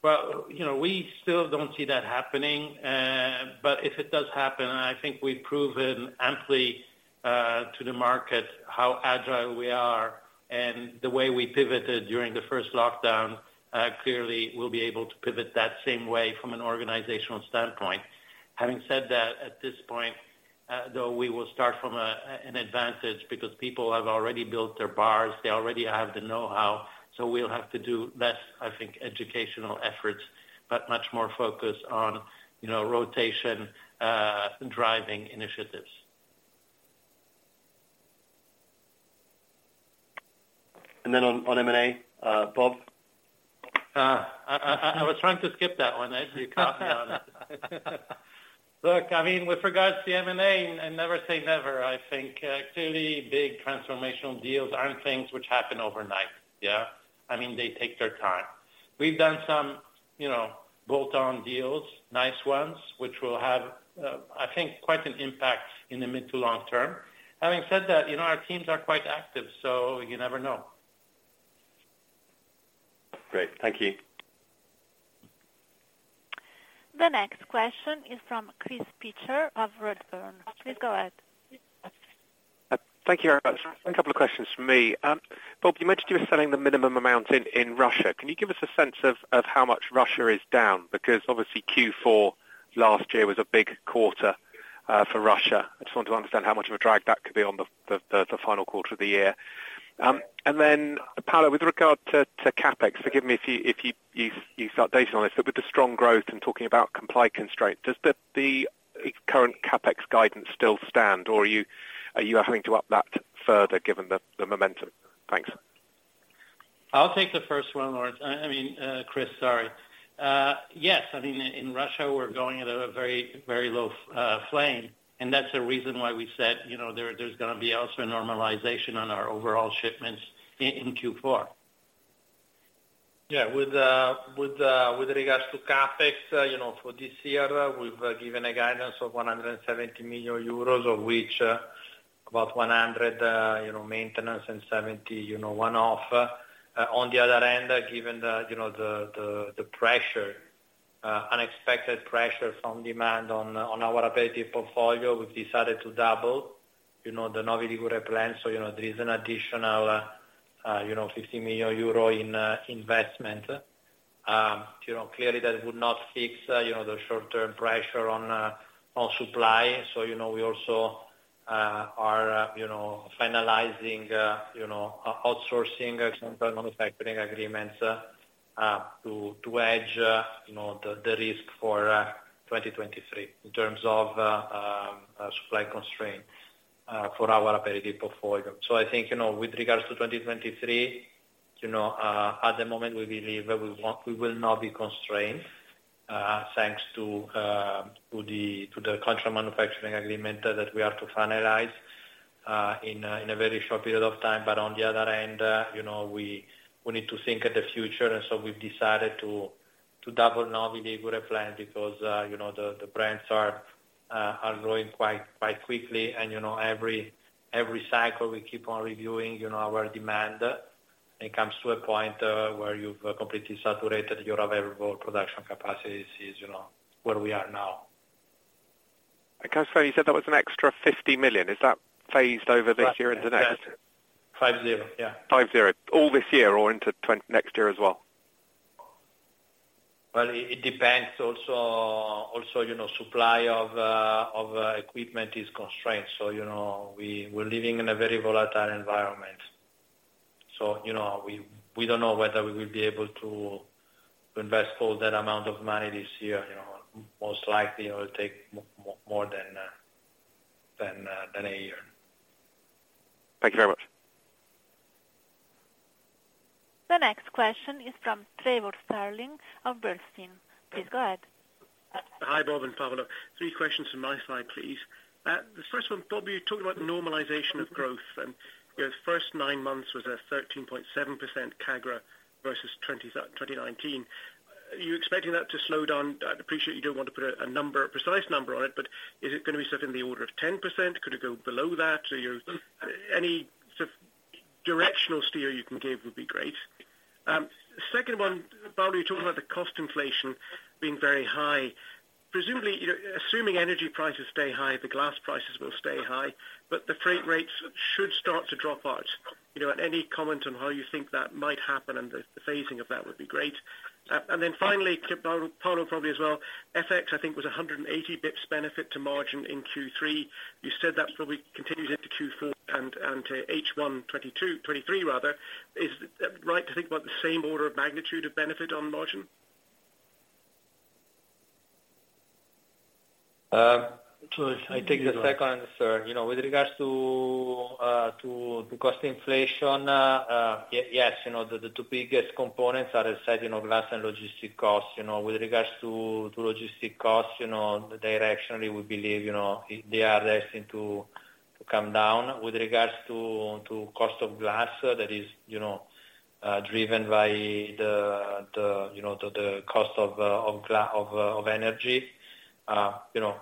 Well, you know, we still don't see that happening. If it does happen, and I think we've proven amply to the market how agile we are and the way we pivoted during the first lockdown, clearly we'll be able to pivot that same way from an organizational standpoint. Having said that, at this point, though, we will start from an advantage because people have already built their bars, they already have the know-how, so we'll have to do less, I think, educational efforts, but much more focus on, you know, rotation, driving initiatives. On M&A, Bob? I was trying to skip that one, actually. You caught me on it. Look, I mean, with regards to M&A, never say never. I think, clearly big transformational deals aren't things which happen overnight, yeah? I mean, they take their time. We've done some, you know, bolt-on deals, nice ones, which will have, I think quite an impact in the mid to long term. Having said that, you know, our teams are quite active, so you never know. Great. Thank you. The next question is from Chris Pitcher of Redburn. Please go ahead. Thank you very much. A couple of questions from me. Bob, you mentioned you were selling the minimum amount in Russia. Can you give us a sense of how much Russia is down? Because obviously Q4 last year was a big quarter for Russia. I just want to understand how much of a drag that could be on the final quarter of the year. And then, Paolo, with regard to CapEx, forgive me if I'm off base on this, but with the strong growth and talking about supply constraints, does the current CapEx guidance still stand, or are you having to up that further given the momentum? Thanks. I'll take the first one, Laurence. I mean, Chris, sorry. Yes, I mean, in Russia we're going at a very low flame, and that's the reason why we said, you know, there's gonna be also a normalization on our overall shipments in Q4. Yeah. With regards to CapEx, you know, for this year we've given a guidance of 170 million euros of which about 100 million, you know, maintenance and 70 million, you know, one-off. On the other hand, given the unexpected pressure from demand on our operative portfolio, we've decided to double, you know, the Novi Ligure plant. You know, there is an additional, you know, 50 million euro in investment. You know, clearly that would not fix, you know, the short-term pressure on supply. You know, we also are finalizing outsourcing some manufacturing agreements to hedge the risk for 2023 in terms of supply constraints for our operative portfolio. I think, you know, with regards to 2023, you know, at the moment we believe that we will not be constrained, thanks to the contract manufacturing agreement that we are to finalize in a very short period of time. On the other hand, you know, we need to think of the future, and so we've decided to double Novi Ligure plant because, you know, the plants are growing quite quickly and, you know, every cycle we keep on reviewing our demand. It comes to a point, where you've completely saturated your available production capacities is, you know, where we are now. I can't say you said that was an extra 50 million. Is that phased over this year into next? 50, yeah. 50. All this year or into next year as well? Well, it depends also, you know, supply of equipment is constrained. You know, we're living in a very volatile environment. You know, we don't know whether we will be able to invest all that amount of money this year. You know? Most likely it will take more than a year. Thank you very much. The next question is from Trevor Stirling of Bernstein. Please go ahead. Hi, Bob and Paolo. Three questions from my side, please. The first one, Bob, you talked about the normalization of growth, and your first nine months was a 13.7% CAGR versus 2019. Are you expecting that to slow down? I'd appreciate you don't want to put a number, a precise number on it, but is it gonna be something in the order of 10%? Could it go below that? Or you're any sort of directional steer you can give would be great. Second one, Paolo, you talked about the cost inflation being very high. Presumably, you know, assuming energy prices stay high, the glass prices will stay high, but the freight rates should start to drop out. You know, any comment on how you think that might happen and the phasing of that would be great. Finally, Paolo probably as well. FX, I think, was 180 basis points benefit to margin in Q3. You said that probably continues into Q4 and to H1 2022, 2023 rather. Is that right to think about the same order of magnitude of benefit on margin? I take the second and the third. You know, with regards to the cost inflation, yes, you know, the two biggest components are glass and logistic costs. You know, with regards to logistic costs, you know, directionally, we believe, you know, they are destined to come down. With regards to cost of glass, that is, you know, driven by the cost of energy. You know,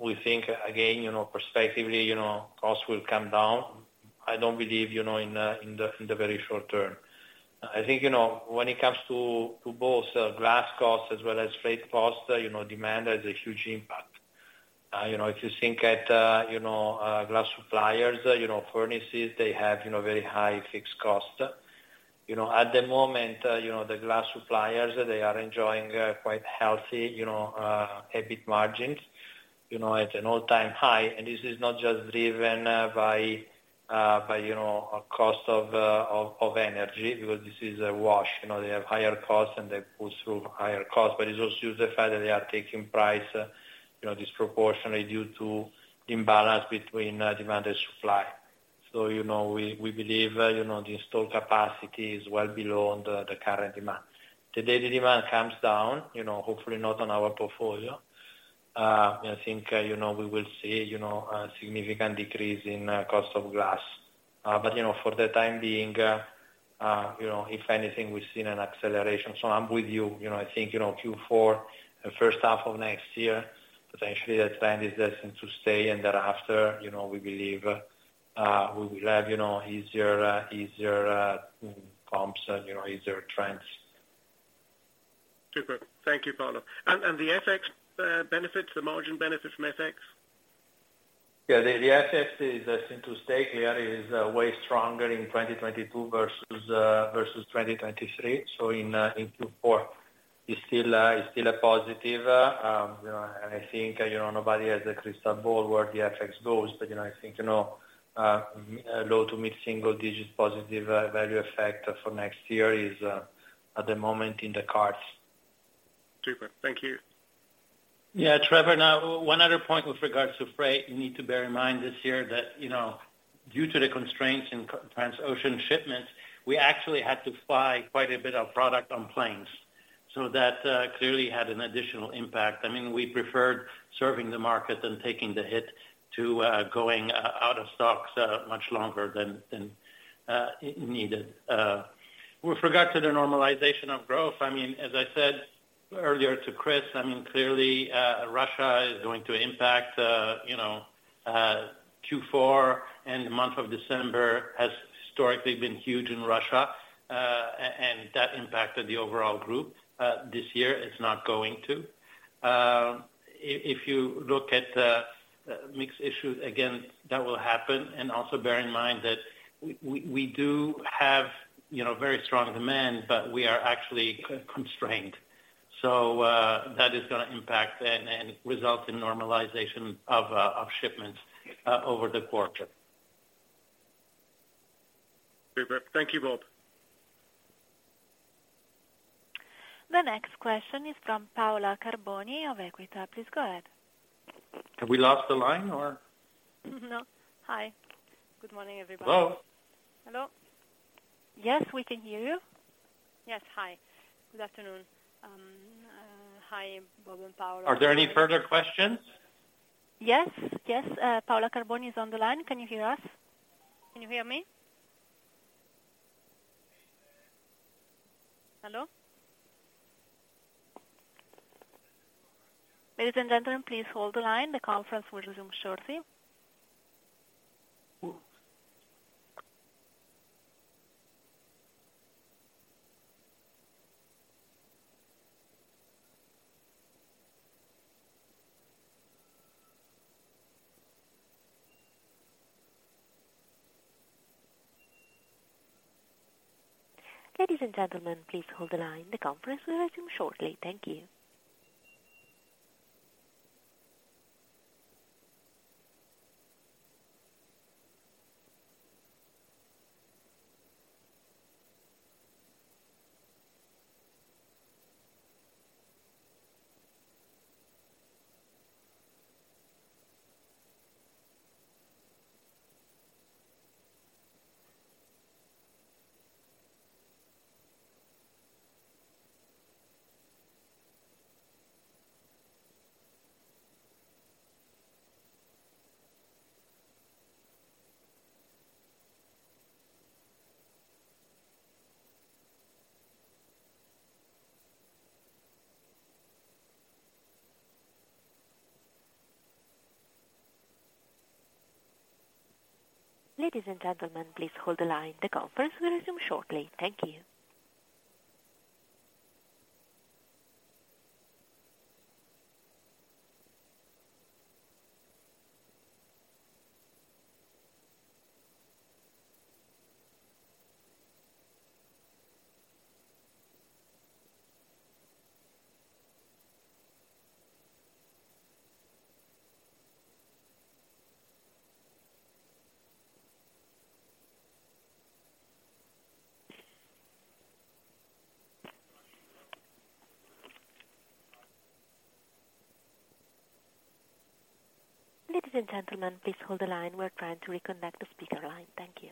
we think again, you know, prospectively, you know, costs will come down. I don't believe, you know, in the very short term. I think, you know, when it comes to both glass costs as well as freight costs, you know, demand has a huge impact. You know, if you think about glass suppliers, you know, furnaces, they have you know, very high fixed cost. You know, at the moment, you know, the glass suppliers, they are enjoying quite healthy, you know, EBIT margins, you know, at an all-time high. This is not just driven by you know, a cost of energy because this is a wash. You know? They have higher costs, and they push through higher costs. It's also due to the fact that they are taking price you know, disproportionately due to imbalance between demand and supply. You know, we believe the installed capacity is well below the current demand. The day the demand comes down, you know, hopefully not on our portfolio, I think, you know, we will see, you know, a significant decrease in cost of glass. You know, for the time being, you know, if anything, we've seen an acceleration. I'm with you. You know, I think, you know, Q4 and first half of next year, potentially the trend is destined to stay. Thereafter, you know, we believe we will have, you know, easier comps and, you know, easier trends. Super. Thank you, Paolo. The FX benefits, the margin benefits from FX? Yeah. The FX is destined to stay strong. It is way stronger in 2022 versus 2023. In Q4, it's still a positive. You know, I think nobody has a crystal ball where the FX goes. You know, I think low- to mid-single-digit positive value effect for next year is at the moment in the cards. Super. Thank you. Yeah. Trevor, now one other point with regards to freight. You need to bear in mind this year that, you know, due to the constraints in transoceanic shipments, we actually had to fly quite a bit of product on planes. That clearly had an additional impact. I mean, we preferred serving the market than taking the hit to going out of stocks much longer than needed. With regard to the normalization of growth, I mean, as I said earlier to Chris, clearly, Russia is going to impact, you know, Q4, and the month of December has historically been huge in Russia. That impacted the overall group. This year it's not going to. If you look at the mix issues, again, that will happen. Also bear in mind that we do have, you know, very strong demand, but we are actually constrained. That is gonna impact and result in normalization of shipments over the quarter. Super. Thank you both. The next question is from Paola Carboni of Equita. Please go ahead. Have we lost the line or? No. Hi. Good morning, everybody. Hello? Hello? Yes, we can hear you. Yes. Hi. Good afternoon. Hi, Bob and Paolo. Are there any further questions? Yes, yes. Paola Carboni is on the line. Can you hear us? Can you hear me? Hello? Ladies and gentlemen, please hold the line. The conference will resume shortly. Ladies and gentlemen, please hold the line. The conference will resume shortly. Thank you. Ladies and gentlemen, please hold the line. The conference will resume shortly. Thank you. Ladies and gentlemen, please hold the line. We're trying to reconnect the speaker line. Thank you.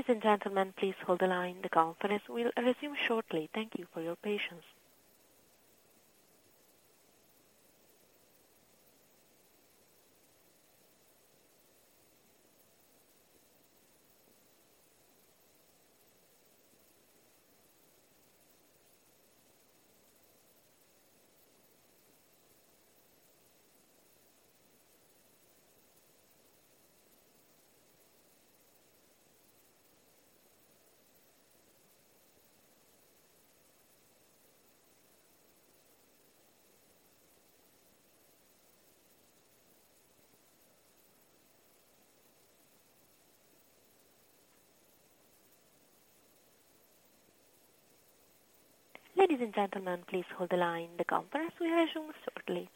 Ladies and gentlemen, please hold the line. The conference will resume shortly. Thank you for your patience. Ladies and gentlemen, please hold the line. The conference will resume shortly.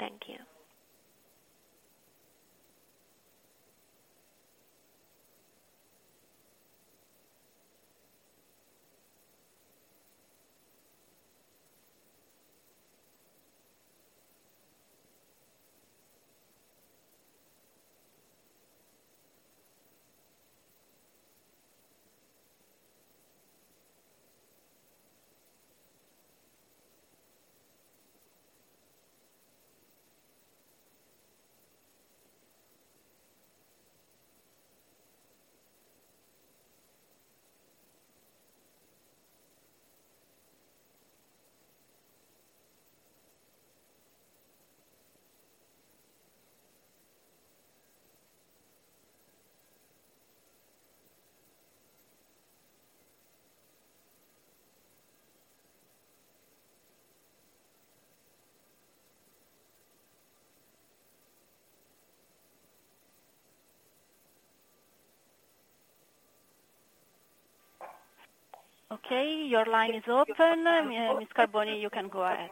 Thank you. Okay, your line is open. Miss Carboni, you can go ahead.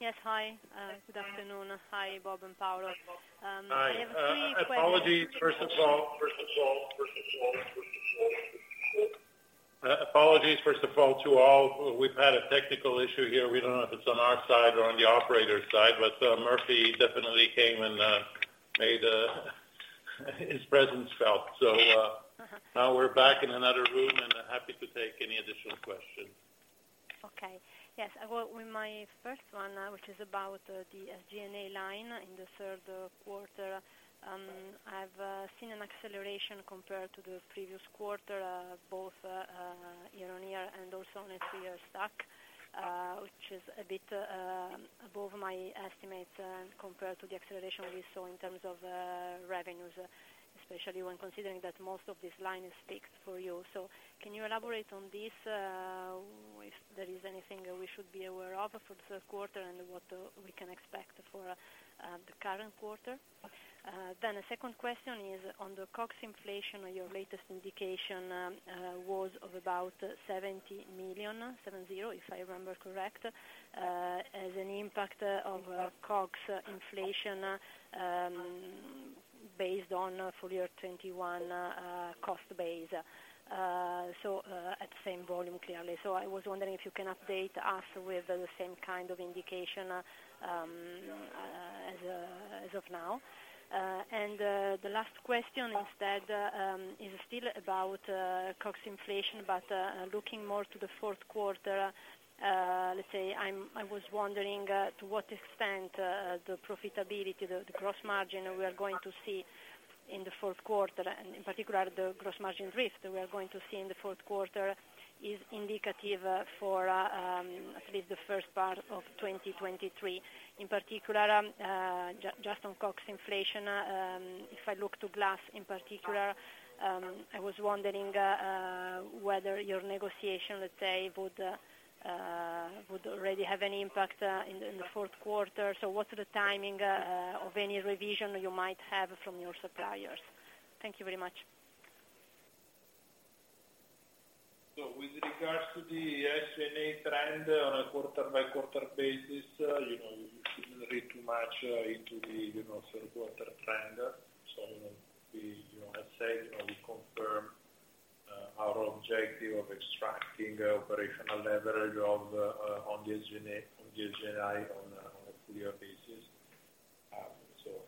Yes. Hi. Good afternoon. Hi, Bob and Paolo. I have three questions. Hi. Apologies first of all to all. We've had a technical issue here. We don't know if it's on our side or on the operator's side, but Murphy definitely came and made his presence felt. Now we're back in another room and happy to take any additional questions. Well, with my first one, which is about the SG&A line in the third quarter. I've seen an acceleration compared to the previous quarter, both year-on-year and also on a three-year stack, which is a bit above my estimate, compared to the acceleration we saw in terms of revenues, especially when considering that most of this line is fixed for you. Can you elaborate on this, if there is anything that we should be aware of for the third quarter and what we can expect for the current quarter? Then a second question is on the COGS inflation. Your latest indication was of about 70 million, if I remember correct, as an impact of COGS inflation based on full year 2021 cost base. At the same volume clearly. I was wondering if you can update us with the same kind of indication as of now? The last question is that is still about COGS inflation, but looking more to the fourth quarter, let's say I was wondering to what extent the profitability, the gross margin we are going to see in the fourth quarter, and in particular, the gross margin risk that we are going to see in the fourth quarter is indicative for at least the first part of 2023. In particular, just on COGS inflation, if I look to glass in particular, I was wondering whether your negotiation, let's say, would already have any impact in the fourth quarter? What's the timing of any revision you might have from your suppliers? Thank you very much. With regards to the SG&A trend on a quarter by quarter basis, you know, you shouldn't read too much into the, you know, third quarter trend. You know, we, you know, let's say, you know, we confirm our objective of extracting operational leverage of on the SG&A on a full year basis.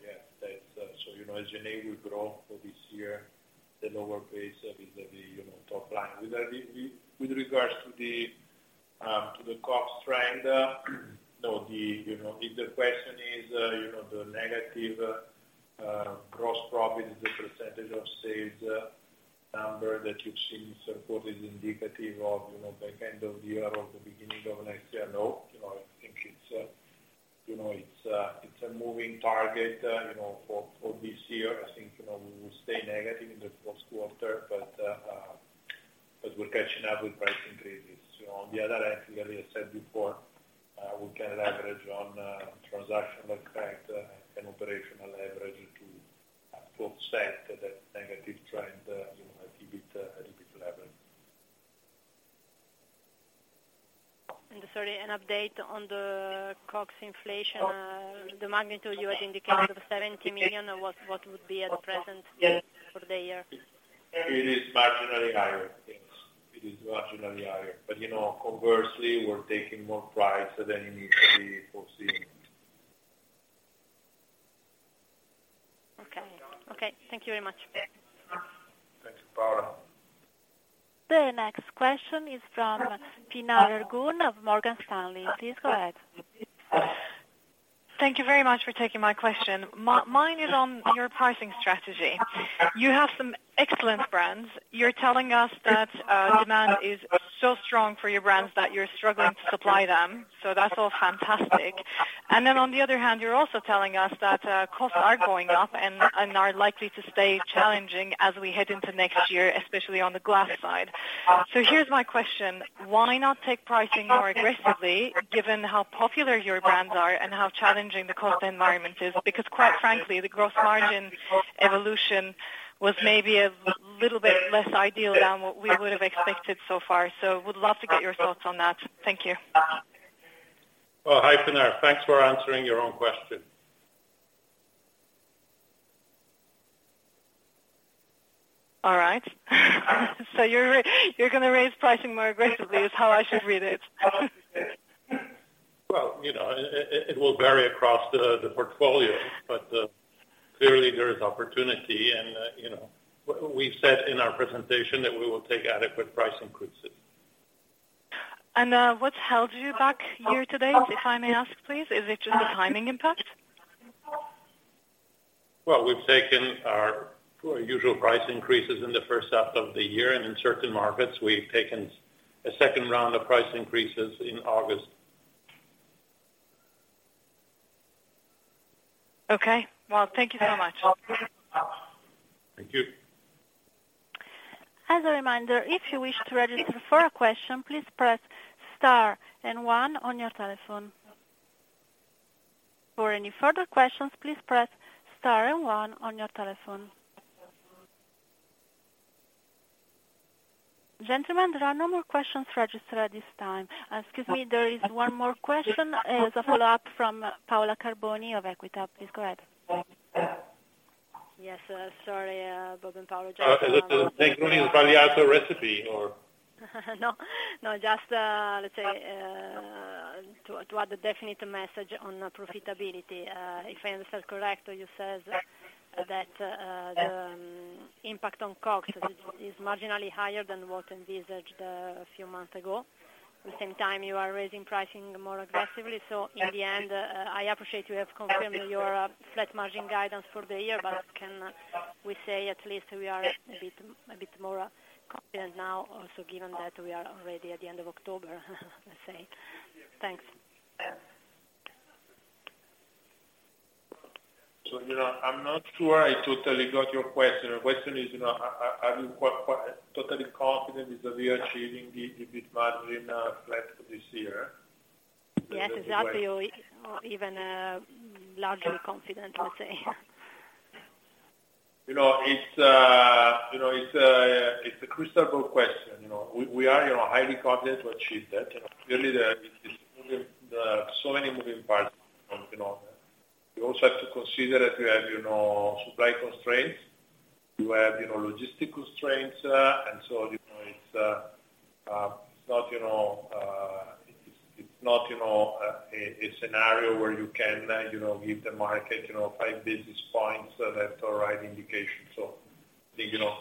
Yeah, that's, so, you know, SG&A will grow for this year, the lower base vis-a-vis, you know, top line. With regards to the COGS trend, you know, the, you know, if the question is, you know, the negative gross profit is the percentage of sales number that you've seen so far is indicative of, you know, by end of year or the beginning of next year. No. You know, I think it's a moving target, you know, for this year. I think, you know, we will stay negative in the fourth quarter, but as we're catching up with price increases. You know, on the other hand, like I said before, we can leverage on transactional effect and operational leverage to offset that negative trend, you know, at EBIT level. Sorry, an update on the COGS inflation. The magnitude you had indicated of 70 million. What would be at present for the year? It is marginally higher. Yes. It is marginally higher. You know, conversely, we're taking more price than initially foreseen. Okay. Thank you very much. Thanks, Paola. The next question is from Pinar Ergun of Morgan Stanley. Please go ahead. Thank you very much for taking my question. Mine is on your pricing strategy. You have some excellent brands. You're telling us that demand is so strong for your brands that you're struggling to supply them. That's all fantastic. On the other hand, you're also telling us that costs are going up and are likely to stay challenging as we head into next year, especially on the glass side. Here's my question. Why not take pricing more aggressively given how popular your brands are and how challenging the cost environment is? Because quite frankly, the gross margin evolution was maybe a little bit less ideal than what we would have expected so far. Would love to get your thoughts on that. Thank you. Well, hi, Pinar. Thanks for answering your own question. All right. You're gonna raise pricing more aggressively is how I should read it. Well, you know, it will vary across the portfolio, but clearly there is opportunity. You know, we said in our presentation that we will take adequate price increases. What's held you back year-to-date, if I may ask, please? Is it just a timing impact? Well, we've taken our usual price increases in the first half of the year, and in certain markets we've taken a second round of price increases in August. Okay. Well, thank you so much. Thank you. As a reminder, if you wish to register for a question, please press star and one on your telephone. For any further questions, please press star and one on your telephone. Gentlemen, there are no more questions registered at this time. Excuse me, there is one more question. It's a follow-up from Paola Carboni of Equita. Please go ahead. Yes, sorry, Bob and Paolo. Just Is it changing our recipe or? No, no, just let's say to add a definite message on profitability. If I understand correct, you said that the impact on COGS is marginally higher than what envisaged a few months ago. At the same time, you are raising pricing more aggressively. In the end, I appreciate you have confirmed your flat margin guidance for the year. Can we say at least we are a bit more confident now also given that we are already at the end of October, let's say. Thanks. You know, I'm not sure I totally got your question. The question is, you know, are you quite totally confident that we are achieving the EBIT margin flat this year? Yes, exactly. Even largely confident, let's say. You know, it's a crystal ball question, you know. We are, you know, highly confident to achieve that. You know, clearly, there are so many moving parts, you know. You also have to consider that we have, you know, supply constraints. We have, you know, logistics constraints. You know, it's not a scenario where you can, you know, give the market, you know, five basis points left or right indication. I think, you know,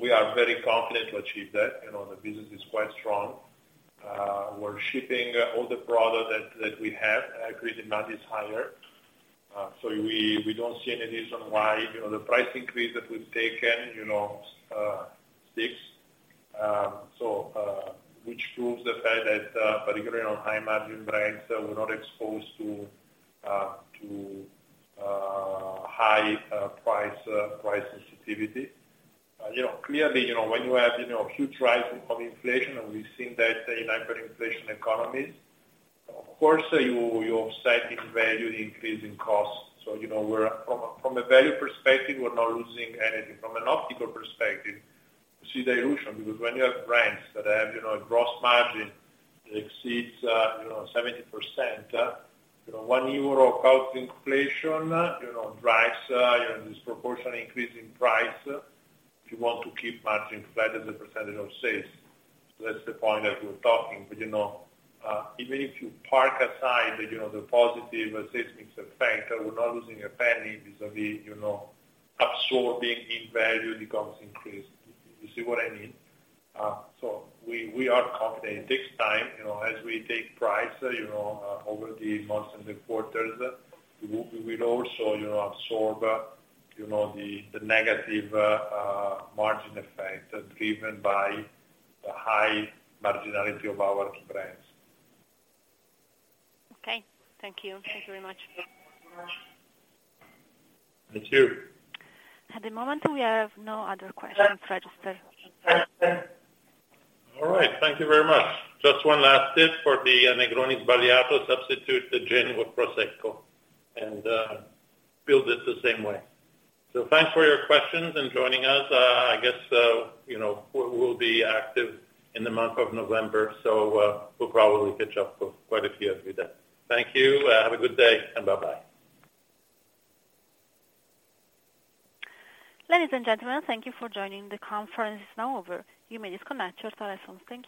we are very confident to achieve that. You know, the business is quite strong. We're shipping all the product that we have. Agreed amount is higher. We don't see any reason why, you know, the price increase that we've taken, you know, sticks. which proves the fact that, particularly on high-margin brands, we're not exposed to high price sensitivity. You know, clearly, you know, when you have a huge rise of inflation, and we've seen that in hyperinflation economies, of course you offsetting value increase in costs. You know, we're—from a value perspective, we're not losing anything. From an optical perspective, you see dilution. Because when you have brands that have a gross margin that exceeds 70%, you know, 1 euro cost inflation drives disproportionately increase in price if you want to keep margins flat as a percentage of sales. That's the point that we're talking. You know, even if you park aside the, you know, the positive systemic effect, we're not losing a penny vis-a-vis, you know, absorbing in value the cost increase. You see what I mean? We are confident. It takes time, you know, as we take price, you know, over the months and the quarters. We will also, you know, absorb, you know, the negative margin effect driven by the high marginality of our brands. Okay. Thank you. Thank you very much. Thank you. At the moment, we have no other questions registered. All right. Thank you very much. Just one last tip for the Negroni Sbagliato. Substitute the gin with prosecco and build it the same way. Thanks for your questions and joining us. I guess, you know, we'll be active in the month of November, so we'll probably catch up for quite a few every day. Thank you. Have a good day, and bye-bye. Ladies and gentlemen, thank you for joining. The conference is now over. You may disconnect your telephones. Thank you.